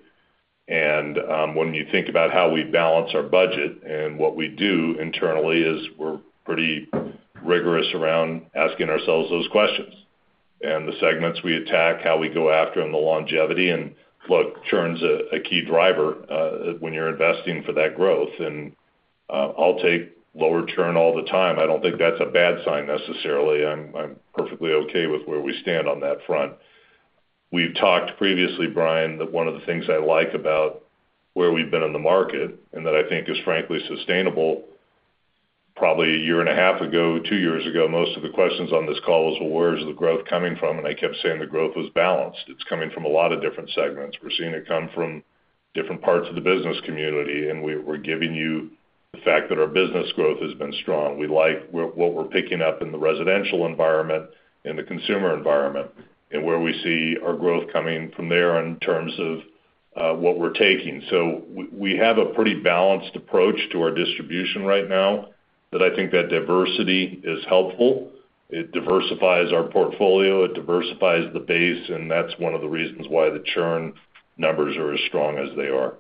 And when you think about how we balance our budget and what we do internally is we're pretty rigorous around asking ourselves those questions and the segments we attack, how we go after, and the longevity. And look, churn's a key driver when you're investing for that growth. And I'll take lower churn all the time. I don't think that's a bad sign necessarily. I'm perfectly okay with where we stand on that front. We've talked previously, Bryan, that one of the things I like about where we've been in the market and that I think is frankly sustainable probably a year and a half ago, two years ago, most of the questions on this call was, "Well, where is the growth coming from?" And I kept saying the growth was balanced. It's coming from a lot of different segments. We're seeing it come from different parts of the business community. And we're giving you the fact that our business growth has been strong. We like what we're picking up in the residential environment, in the consumer environment, and where we see our growth coming from there in terms of what we're taking. So we have a pretty balanced approach to our distribution right now that I think that diversity is helpful. It diversifies our portfolio. It diversifies the base. And that's one of the reasons why the churn numbers are as strong as they are.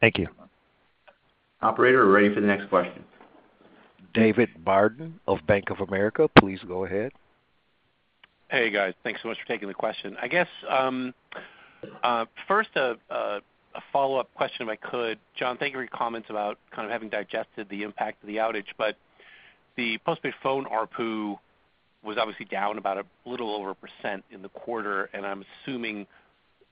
Thank you. Operator, we're ready for the next question. David Barden of Bank of America. Please go ahead. Hey, guys. Thanks so much for taking the question. I guess first, a follow-up question if I could. John, thank you for your comments about kind of having digested the impact of the outage. But the postpaid phone ARPU was obviously down about a little over 1% in the quarter. And I'm assuming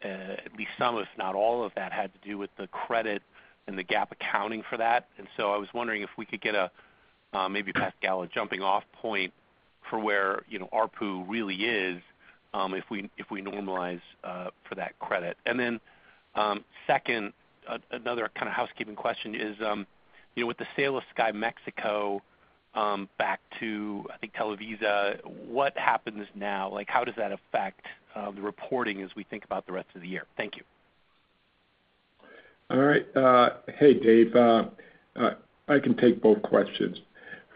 at least some, if not all, of that had to do with the credit and the GAAP accounting for that. And so I was wondering if we could get a maybe Pascal a jumping-off point for where ARPU really is if we normalize for that credit. And then second, another kind of housekeeping question is with the sale of Sky Mexico back to, I think, Televisa, what happens now? How does that affect the reporting as we think about the rest of the year? Thank you. All right. Hey, Dave. I can take both questions.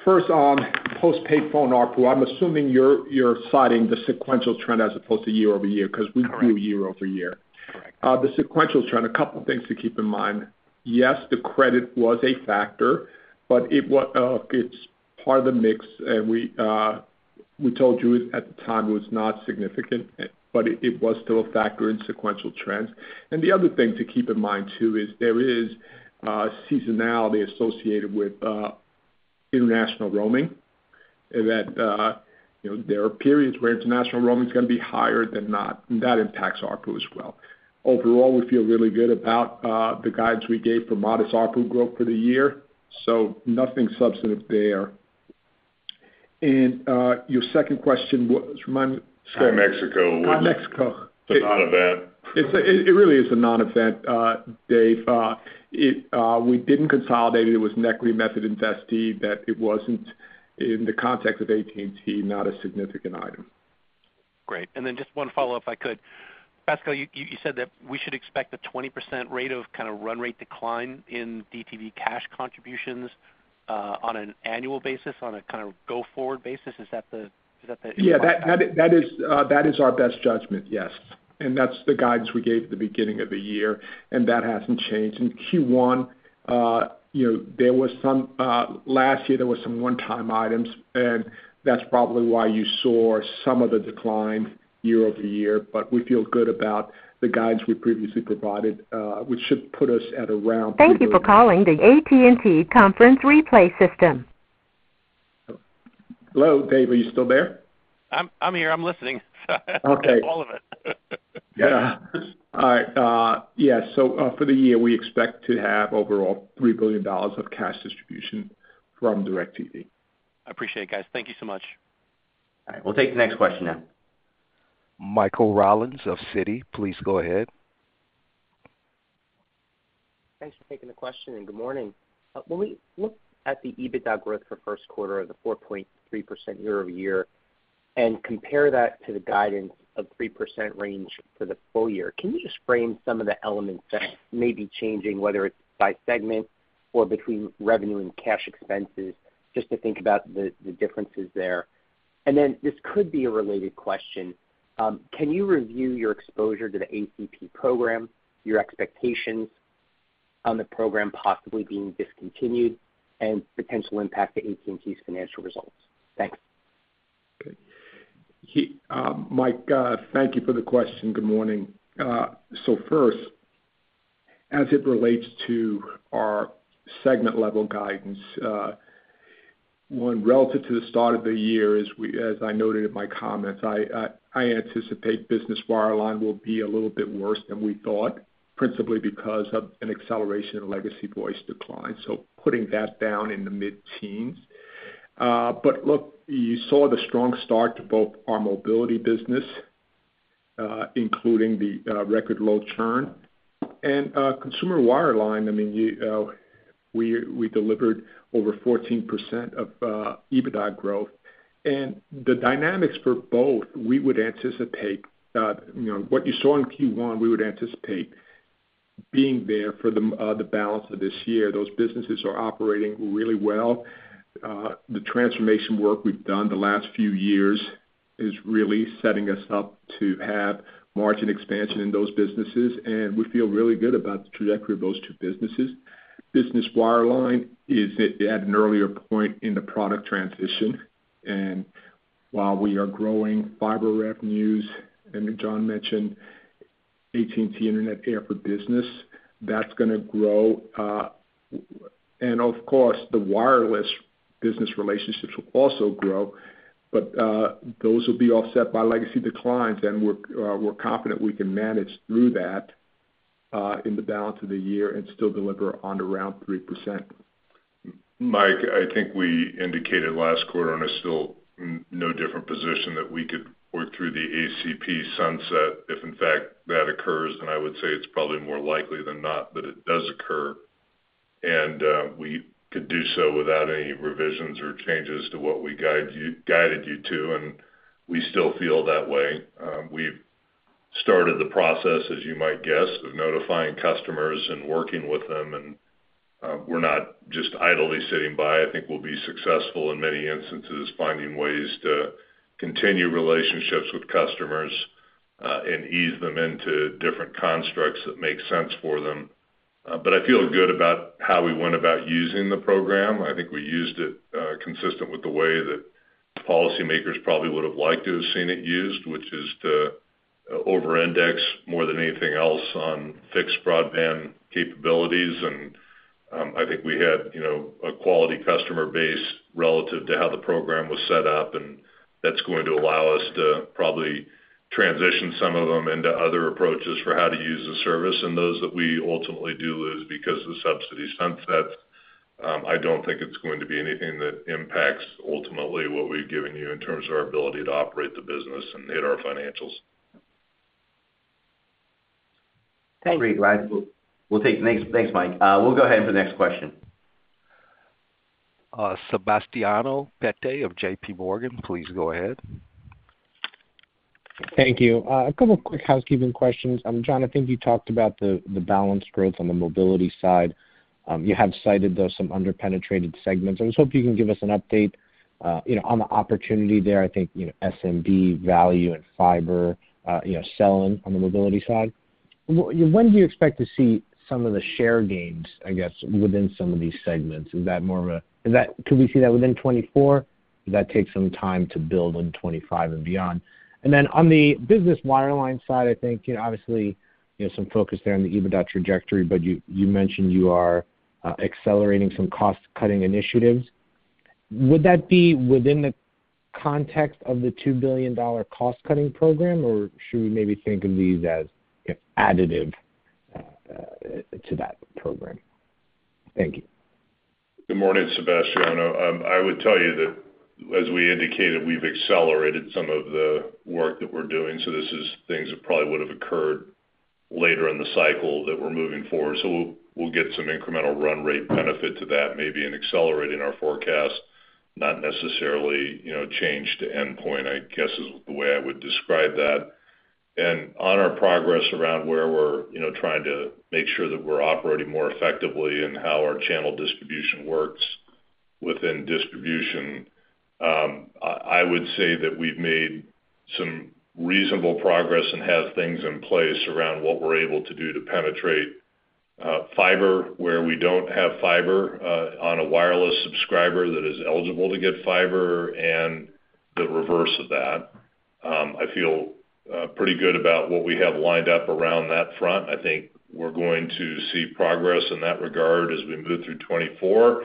First, on postpaid phone ARPU, I'm assuming you're citing the sequential trend as opposed to year-over-year because we do year-over-year. The sequential trend, a couple of things to keep in mind. Yes, the credit was a factor, but it's part of the mix. And we told you at the time it was not significant, but it was still a factor in sequential trends. And the other thing to keep in mind, too, is there is seasonality associated with international roaming, that there are periods where international roaming is going to be higher than not. And that impacts ARPU as well. Overall, we feel really good about the guidance we gave for modest ARPU growth for the year. So nothing substantive there. And your second question was, remind me. Sky Mexico. Sky Mexico. It's a non-event. It really is a non-event, Dave. We didn't consolidate it. It was an equity method investee that it wasn't in the context of AT&T, not a significant item. Great. And then just one follow-up if I could. Pascal, you said that we should expect a 20% rate of kind of run-rate decline in DTV cash contributions on an annual basis, on a kind of go-forward basis. Is that the impact? Yeah. That is our best judgment. Yes. And that's the guidance we gave at the beginning of the year. And that hasn't changed. In Q1, there was some last year, there were some one-time items. And that's probably why you saw some of the decline year-over-year. But we feel good about the guidance we previously provided, which should put us at around. Thank you for calling the AT&T Conference Replay System. Hello, Dave. Are you still there? I'm here. I'm listening. All of it. Yeah. All right. Yeah. So for the year, we expect to have overall $3 billion of cash distribution from DIRECTV. I appreciate it, guys. Thank you so much. All right. We'll take the next question now. Michael Rollins of Citi. Please go ahead. Thanks for taking the question, and good morning. When we look at the EBITDA growth for first quarter of the 4.3% year-over-year and compare that to the guidance of 3% range for the full year, can you just frame some of the elements that may be changing, whether it's by segment or between revenue and cash expenses, just to think about the differences there? And then this could be a related question. Can you review your exposure to the ACP program, your expectations on the program possibly being discontinued, and potential impact to AT&T's financial results? Thanks. Okay. Mike, thank you for the question. Good morning. So first, as it relates to our segment-level guidance, one, relative to the start of the year, as I noted in my comments, I anticipate Business Wireline will be a little bit worse than we thought, principally because of an acceleration in legacy voice decline. So putting that down in the mid-teens. But look, you saw the strong start to both our Mobility business, including the record low churn. And Consumer Wireline, I mean, we delivered over 14% of EBITDA growth. And the dynamics for both, we would anticipate what you saw in Q1, we would anticipate being there for the balance of this year. Those businesses are operating really well. The transformation work we've done the last few years is really setting us up to have margin expansion in those businesses. And we feel really good about the trajectory of those two businesses. Business Wireline is at an earlier point in the product transition. While we are growing fiber revenues, and John mentioned AT&T Internet Air for Business, that's going to grow. Of course, the wireless business relationships will also grow. But those will be offset by legacy declines. We're confident we can manage through that in the balance of the year and still deliver on around 3%. Mike, I think we indicated last quarter, and still no different position, that we could work through the ACP sunset. If in fact that occurs, then I would say it's probably more likely than not that it does occur. We could do so without any revisions or changes to what we guided you to. We still feel that way. We've started the process, as you might guess, of notifying customers and working with them. And we're not just idly sitting by. I think we'll be successful in many instances, finding ways to continue relationships with customers and ease them into different constructs that make sense for them. But I feel good about how we went about using the program. I think we used it consistent with the way that policymakers probably would have liked to have seen it used, which is to over-index more than anything else on fixed broadband capabilities. And I think we had a quality customer base relative to how the program was set up. And that's going to allow us to probably transition some of them into other approaches for how to use the service. Those that we ultimately do lose because of the subsidy sunsets, I don't think it's going to be anything that impacts ultimately what we've given you in terms of our ability to operate the business and hit our financials. Thank you. Great, Bryan. We'll take the next. Thanks, Mike. We'll go ahead for the next question. Sebastiano Petti of JPMorgan. Please go ahead. Thank you. A couple of quick housekeeping questions. John, I think you talked about the balanced growth on the mobility side. You have cited, though, some under-penetrated segments. I was hoping you can give us an update on the opportunity there. I think SMB, value, and fiber, selling on the mobility side. When do you expect to see some of the share gains, I guess, within some of these segments? Is that more of a could we see that within 2024? Does that take some time to build in 2025 and beyond? And then on the Business Wireline side, I think obviously, some focus there on the EBITDA trajectory. But you mentioned you are accelerating some cost-cutting initiatives. Would that be within the context of the $2 billion cost-cutting program, or should we maybe think of these as additive to that program? Thank you. Good morning, Sebastiano. I would tell you that, as we indicated, we've accelerated some of the work that we're doing. So this is things that probably would have occurred later in the cycle that we're moving forward. So we'll get some incremental run-rate benefit to that, maybe in accelerating our forecast, not necessarily change to endpoint, I guess, is the way I would describe that. And on our progress around where we're trying to make sure that we're operating more effectively and how our channel distribution works within distribution, I would say that we've made some reasonable progress and have things in place around what we're able to do to penetrate fiber, where we don't have fiber on a wireless subscriber that is eligible to get fiber, and the reverse of that. I feel pretty good about what we have lined up around that front. I think we're going to see progress in that regard as we move through 2024.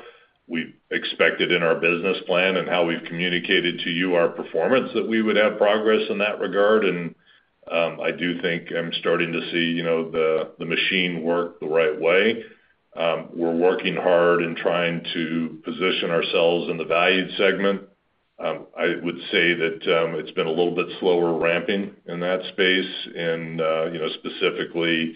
We've expected in our business plan and how we've communicated to you our performance that we would have progress in that regard. And I do think I'm starting to see the machine work the right way. We're working hard in trying to position ourselves in the value segment. I would say that it's been a little bit slower ramping in that space, and specifically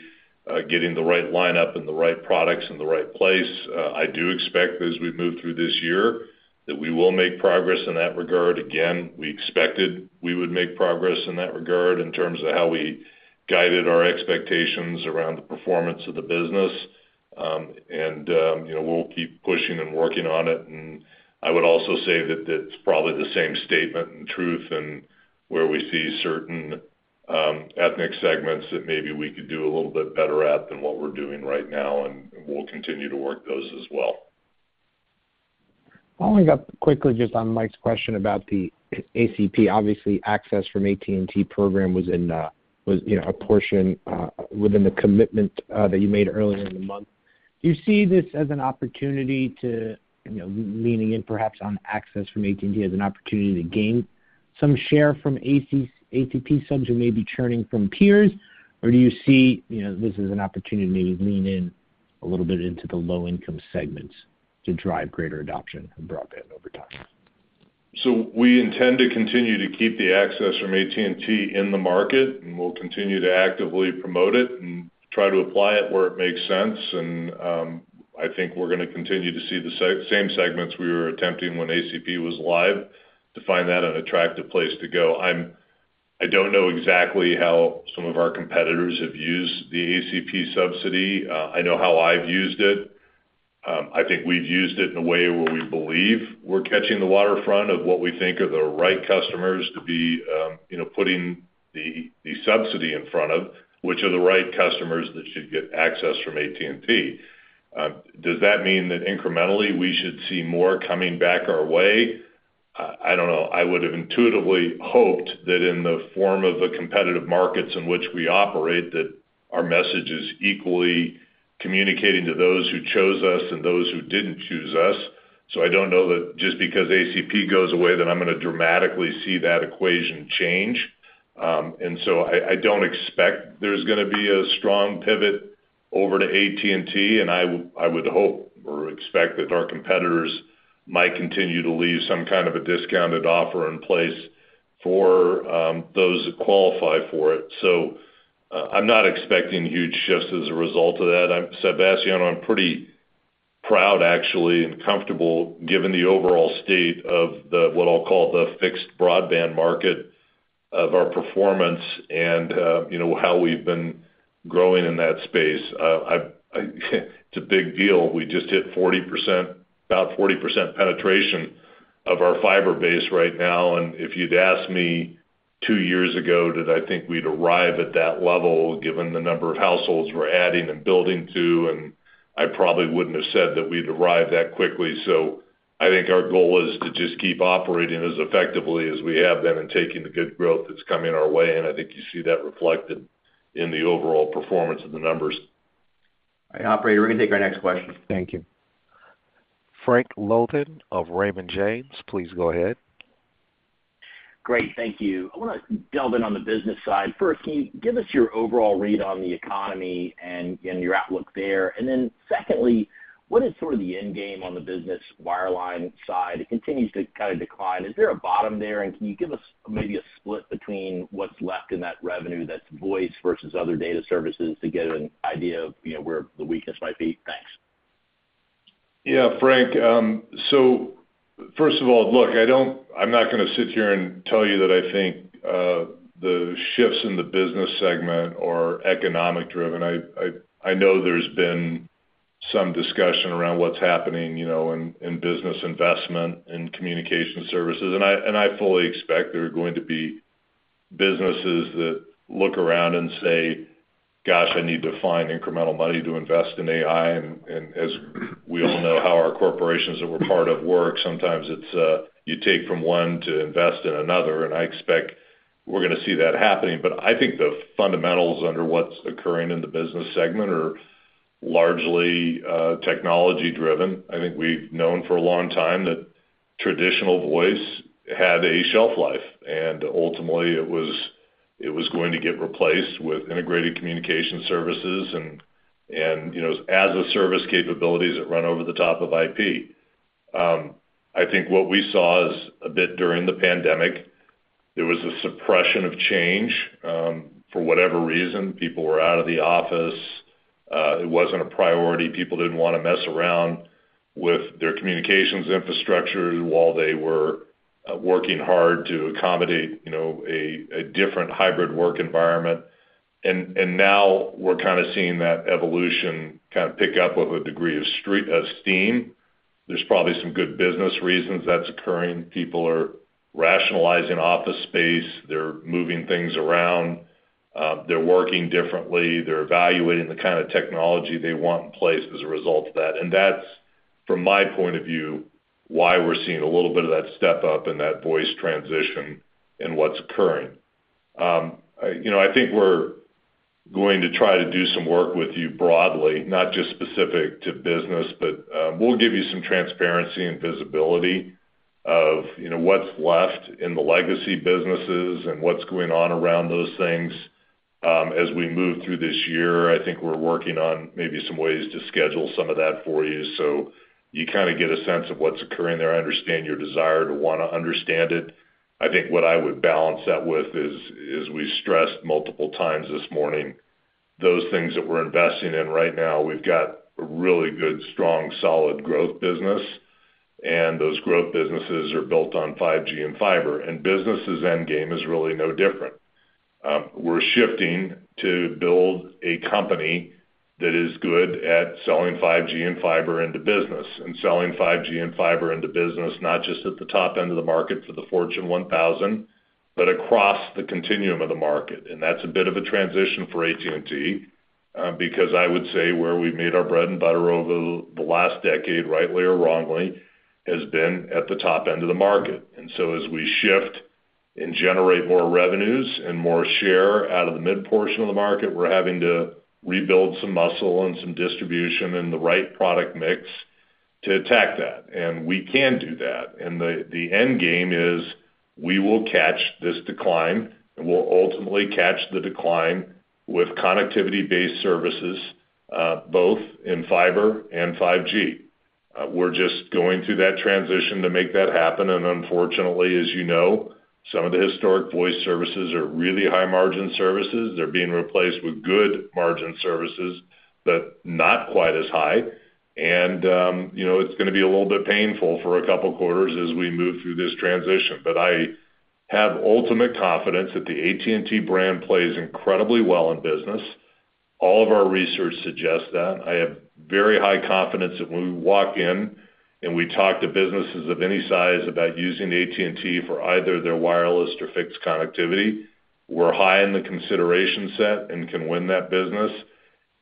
getting the right lineup and the right products in the right place. I do expect, as we move through this year, that we will make progress in that regard. Again, we expected we would make progress in that regard in terms of how we guided our expectations around the performance of the business. And we'll keep pushing and working on it. And I would also say that it's probably the same statement and truth in where we see certain ethnic segments that maybe we could do a little bit better at than what we're doing right now. And we'll continue to work those as well. Following up quickly just on Mike's question about the ACP, obviously, Access from AT&T program was a portion within the commitment that you made earlier in the month. Do you see this as an opportunity to leaning in perhaps on Access from AT&T as an opportunity to gain some share from ACP subs who may be churning from peers? Or do you see this as an opportunity to maybe lean in a little bit into the low-income segments to drive greater adoption of broadband over time? So we intend to continue to keep the Access from AT&T in the market. And we'll continue to actively promote it and try to apply it where it makes sense. And I think we're going to continue to see the same segments we were attempting when ACP was live to find that an attractive place to go. I don't know exactly how some of our competitors have used the ACP subsidy. I know how I've used it. I think we've used it in a way where we believe we're catching the waterfront of what we think are the right customers to be putting the subsidy in front of, which are the right customers that should get Access from AT&T. Does that mean that incrementally, we should see more coming back our way? I don't know. I would have intuitively hoped that in the form of the competitive markets in which we operate, that our message is equally communicating to those who chose us and those who didn't choose us. So I don't know that just because ACP goes away that I'm going to dramatically see that equation change. And so I don't expect there's going to be a strong pivot over to AT&T. I would hope or expect that our competitors might continue to leave some kind of a discounted offer in place for those that qualify for it. So I'm not expecting huge shifts as a result of that. Sebastiano, I'm pretty proud, actually, and comfortable given the overall state of what I'll call the fixed broadband market of our performance and how we've been growing in that space. It's a big deal. We just hit about 40% penetration of our fiber base right now. And if you'd asked me two years ago, did I think we'd arrive at that level given the number of households we're adding and building to? And I probably wouldn't have said that we'd arrive that quickly. So I think our goal is to just keep operating as effectively as we have been and taking the good growth that's coming our way. I think you see that reflected in the overall performance of the numbers. All right, operator. We're going to take our next question. Thank you. Frank Louthan of Raymond James. Please go ahead. Great. Thank you. I want to delve in on the business side. First, can you give us your overall read on the economy and your outlook there? And then secondly, what is sort of the endgame on the Business Wireline side? It continues to kind of decline. Is there a bottom there? And can you give us maybe a split between what's left in that revenue that's voice versus other data services to get an idea of where the weakness might be? Thanks. Yeah, Frank. So first of all, look, I'm not going to sit here and tell you that I think the shifts in the business segment are economic-driven. I know there's been some discussion around what's happening in business investment and communication services. I fully expect there are going to be businesses that look around and say, "Gosh, I need to find incremental money to invest in AI." As we all know, how our corporations that we're part of work, sometimes you take from one to invest in another. I expect we're going to see that happening. But I think the fundamentals under what's occurring in the business segment are largely technology-driven. I think we've known for a long time that traditional voice had a shelf life. Ultimately, it was going to get replaced with integrated communication services and as-a-service capabilities that run over the top of IP. I think what we saw is a bit during the pandemic, there was a suppression of change. For whatever reason, people were out of the office. It wasn't a priority. People didn't want to mess around with their communications infrastructure while they were working hard to accommodate a different hybrid work environment. Now we're kind of seeing that evolution kind of pick up with a degree of steam. There's probably some good business reasons that's occurring. People are rationalizing office space. They're moving things around. They're working differently. They're evaluating the kind of technology they want in place as a result of that. That's, from my point of view, why we're seeing a little bit of that step up and that voice transition in what's occurring. I think we're going to try to do some work with you broadly, not just specific to business. We'll give you some transparency and visibility of what's left in the legacy businesses and what's going on around those things as we move through this year. I think we're working on maybe some ways to schedule some of that for you so you kind of get a sense of what's occurring there. I understand your desire to want to understand it. I think what I would balance that with is, as we stressed multiple times this morning, those things that we're investing in right now, we've got a really good, strong, solid growth business. And those growth businesses are built on 5G and fiber. And business's endgame is really no different. We're shifting to build a company that is good at selling 5G and fiber into business and selling 5G and fiber into business, not just at the top end of the market for the Fortune 1000, but across the continuum of the market. That's a bit of a transition for AT&T because I would say where we've made our bread and butter over the last decade, rightly or wrongly, has been at the top end of the market. And so as we shift and generate more revenues and more share out of the mid-portion of the market, we're having to rebuild some muscle and some distribution and the right product mix to attack that. And we can do that. And the endgame is we will catch this decline. And we'll ultimately catch the decline with connectivity-based services, both in fiber and 5G. We're just going through that transition to make that happen. And unfortunately, as you know, some of the historic voice services are really high-margin services. They're being replaced with good-margin services but not quite as high. It's going to be a little bit painful for a couple of quarters as we move through this transition. I have ultimate confidence that the AT&T brand plays incredibly well in business. All of our research suggests that. I have very high confidence that when we walk in and we talk to businesses of any size about using AT&T for either their wireless or fixed connectivity, we're high in the consideration set and can win that business.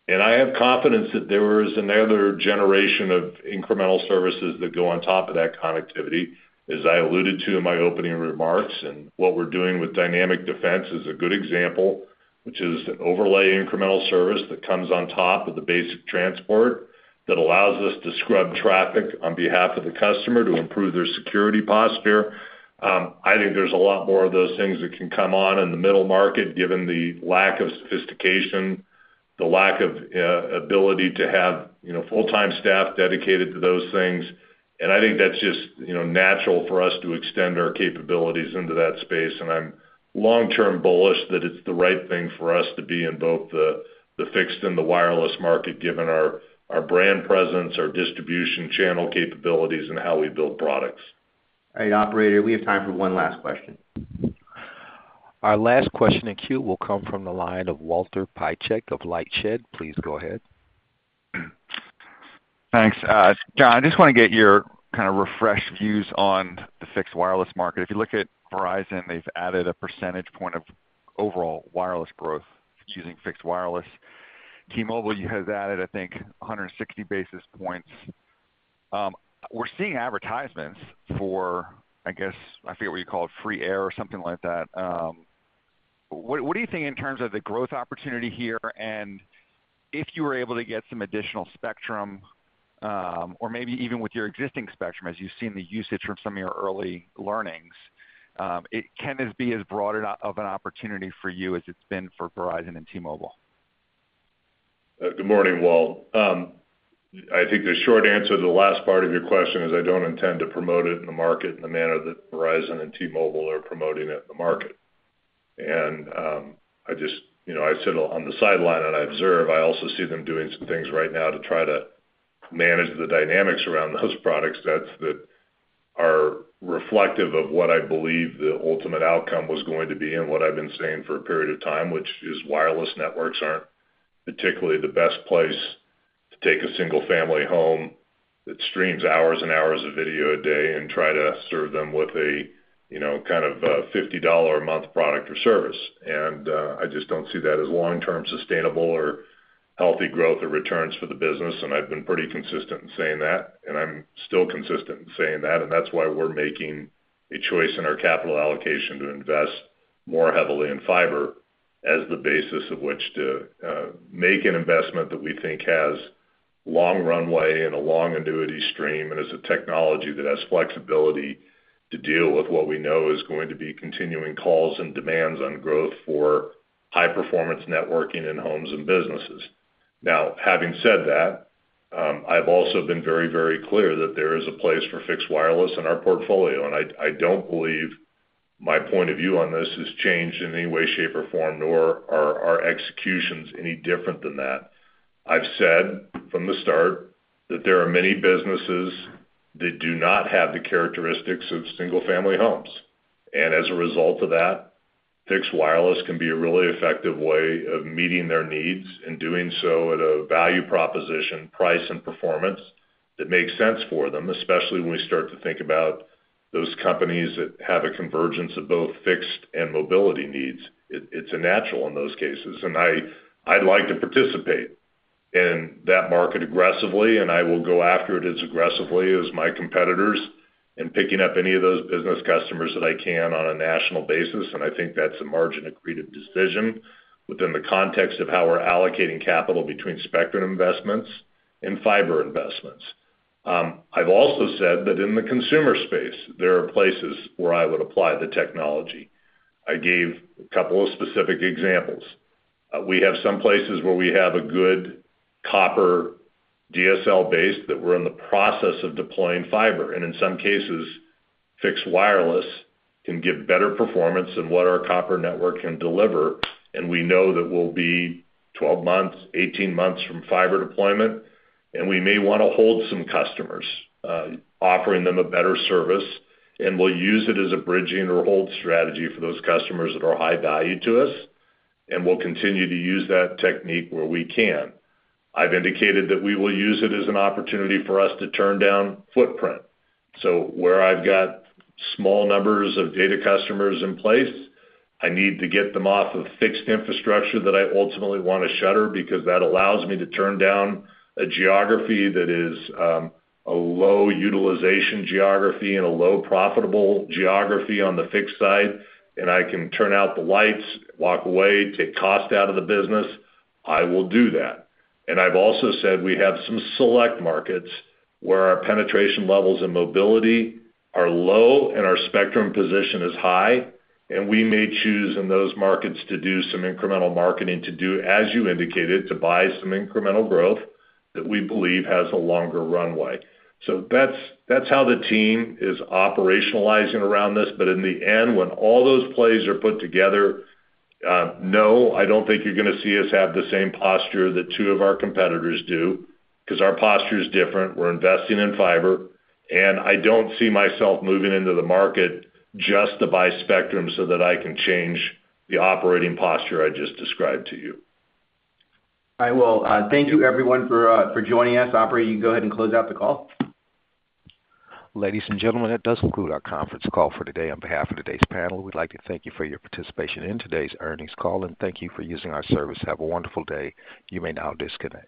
I have confidence that there is another generation of incremental services that go on top of that connectivity, as I alluded to in my opening remarks. What we're doing with Dynamic Defense is a good example, which is an overlay incremental service that comes on top of the basic transport that allows us to scrub traffic on behalf of the customer to improve their security posture. I think there's a lot more of those things that can come on in the middle market given the lack of sophistication, the lack of ability to have full-time staff dedicated to those things. I think that's just natural for us to extend our capabilities into that space. I'm long-term bullish that it's the right thing for us to be in both the fixed and the wireless market given our brand presence, our distribution channel capabilities, and how we build products. All right, operator. We have time for one last question. Our last question in queue will come from the line of Walter Piecyk of LightShed. Please go ahead. Thanks. John, I just want to get your kind of refreshed views on the fixed wireless market. If you look at Verizon, they've added a percentage point of overall wireless growth using fixed wireless. T-Mobile has added, I think, 160 basis points. We're seeing advertisements for, I guess I forget what you call it, free air or something like that. What do you think in terms of the growth opportunity here? And if you were able to get some additional spectrum or maybe even with your existing spectrum, as you've seen the usage from some of your early learnings, can this be as broad of an opportunity for you as it's been for Verizon and T-Mobile? Good morning, Walt. I think the short answer to the last part of your question is I don't intend to promote it in the market in the manner that Verizon and T-Mobile are promoting it in the market. And I sit on the sideline, and I observe. I also see them doing some things right now to try to manage the dynamics around those products that are reflective of what I believe the ultimate outcome was going to be and what I've been saying for a period of time, which is wireless networks aren't particularly the best place to take a single-family home that streams hours and hours of video a day and try to serve them with a kind of $50-a-month product or service. And I just don't see that as long-term sustainable or healthy growth or returns for the business. And I've been pretty consistent in saying that. And I'm still consistent in saying that. That's why we're making a choice in our capital allocation to invest more heavily in fiber as the basis of which to make an investment that we think has long runway and a long annuity stream and is a technology that has flexibility to deal with what we know is going to be continuing calls and demands on growth for high-performance networking in homes and businesses. Now, having said that, I've also been very, very clear that there is a place for fixed wireless in our portfolio. I don't believe my point of view on this has changed in any way, shape, or form, nor are our executions any different than that. I've said from the start that there are many businesses that do not have the characteristics of single-family homes. And as a result of that, fixed wireless can be a really effective way of meeting their needs and doing so at a value proposition, price, and performance that makes sense for them, especially when we start to think about those companies that have a convergence of both fixed and mobility needs. It's a natural in those cases. And I'd like to participate in that market aggressively. And I will go after it as aggressively as my competitors and picking up any of those business customers that I can on a national basis. And I think that's a margin-accretive decision within the context of how we're allocating capital between spectrum investments and fiber investments. I've also said that in the consumer space, there are places where I would apply the technology. I gave a couple of specific examples. We have some places where we have a good copper DSL base that we're in the process of deploying fiber. In some cases, fixed wireless can give better performance than what our copper network can deliver. We know that we'll be 12 months, 18 months from fiber deployment. We may want to hold some customers, offering them a better service. We'll use it as a bridging or hold strategy for those customers that are high value to us. We'll continue to use that technique where we can. I've indicated that we will use it as an opportunity for us to turn down footprint. So where I've got small numbers of data customers in place, I need to get them off of fixed infrastructure that I ultimately want to shutter because that allows me to turn down a geography that is a low-utilization geography and a low-profitable geography on the fixed side. And I can turn out the lights, walk away, take cost out of the business. I will do that. And I've also said we have some select markets where our penetration levels and mobility are low and our spectrum position is high. And we may choose in those markets to do some incremental marketing to do, as you indicated, to buy some incremental growth that we believe has a longer runway. So that's how the team is operationalizing around this. But in the end, when all those plays are put together, no, I don't think you're going to see us have the same posture that two of our competitors do because our posture is different. We're investing in fiber. And I don't see myself moving into the market just to buy spectrum so that I can change the operating posture I just described to you. All right. Well, thank you, everyone, for joining us. Operator, you can go ahead and close out the call. Ladies and gentlemen, that does conclude our conference call for today. On behalf of today's panel, we'd like to thank you for your participation in today's earnings call. And thank you for using our service. Have a wonderful day. You may now disconnect.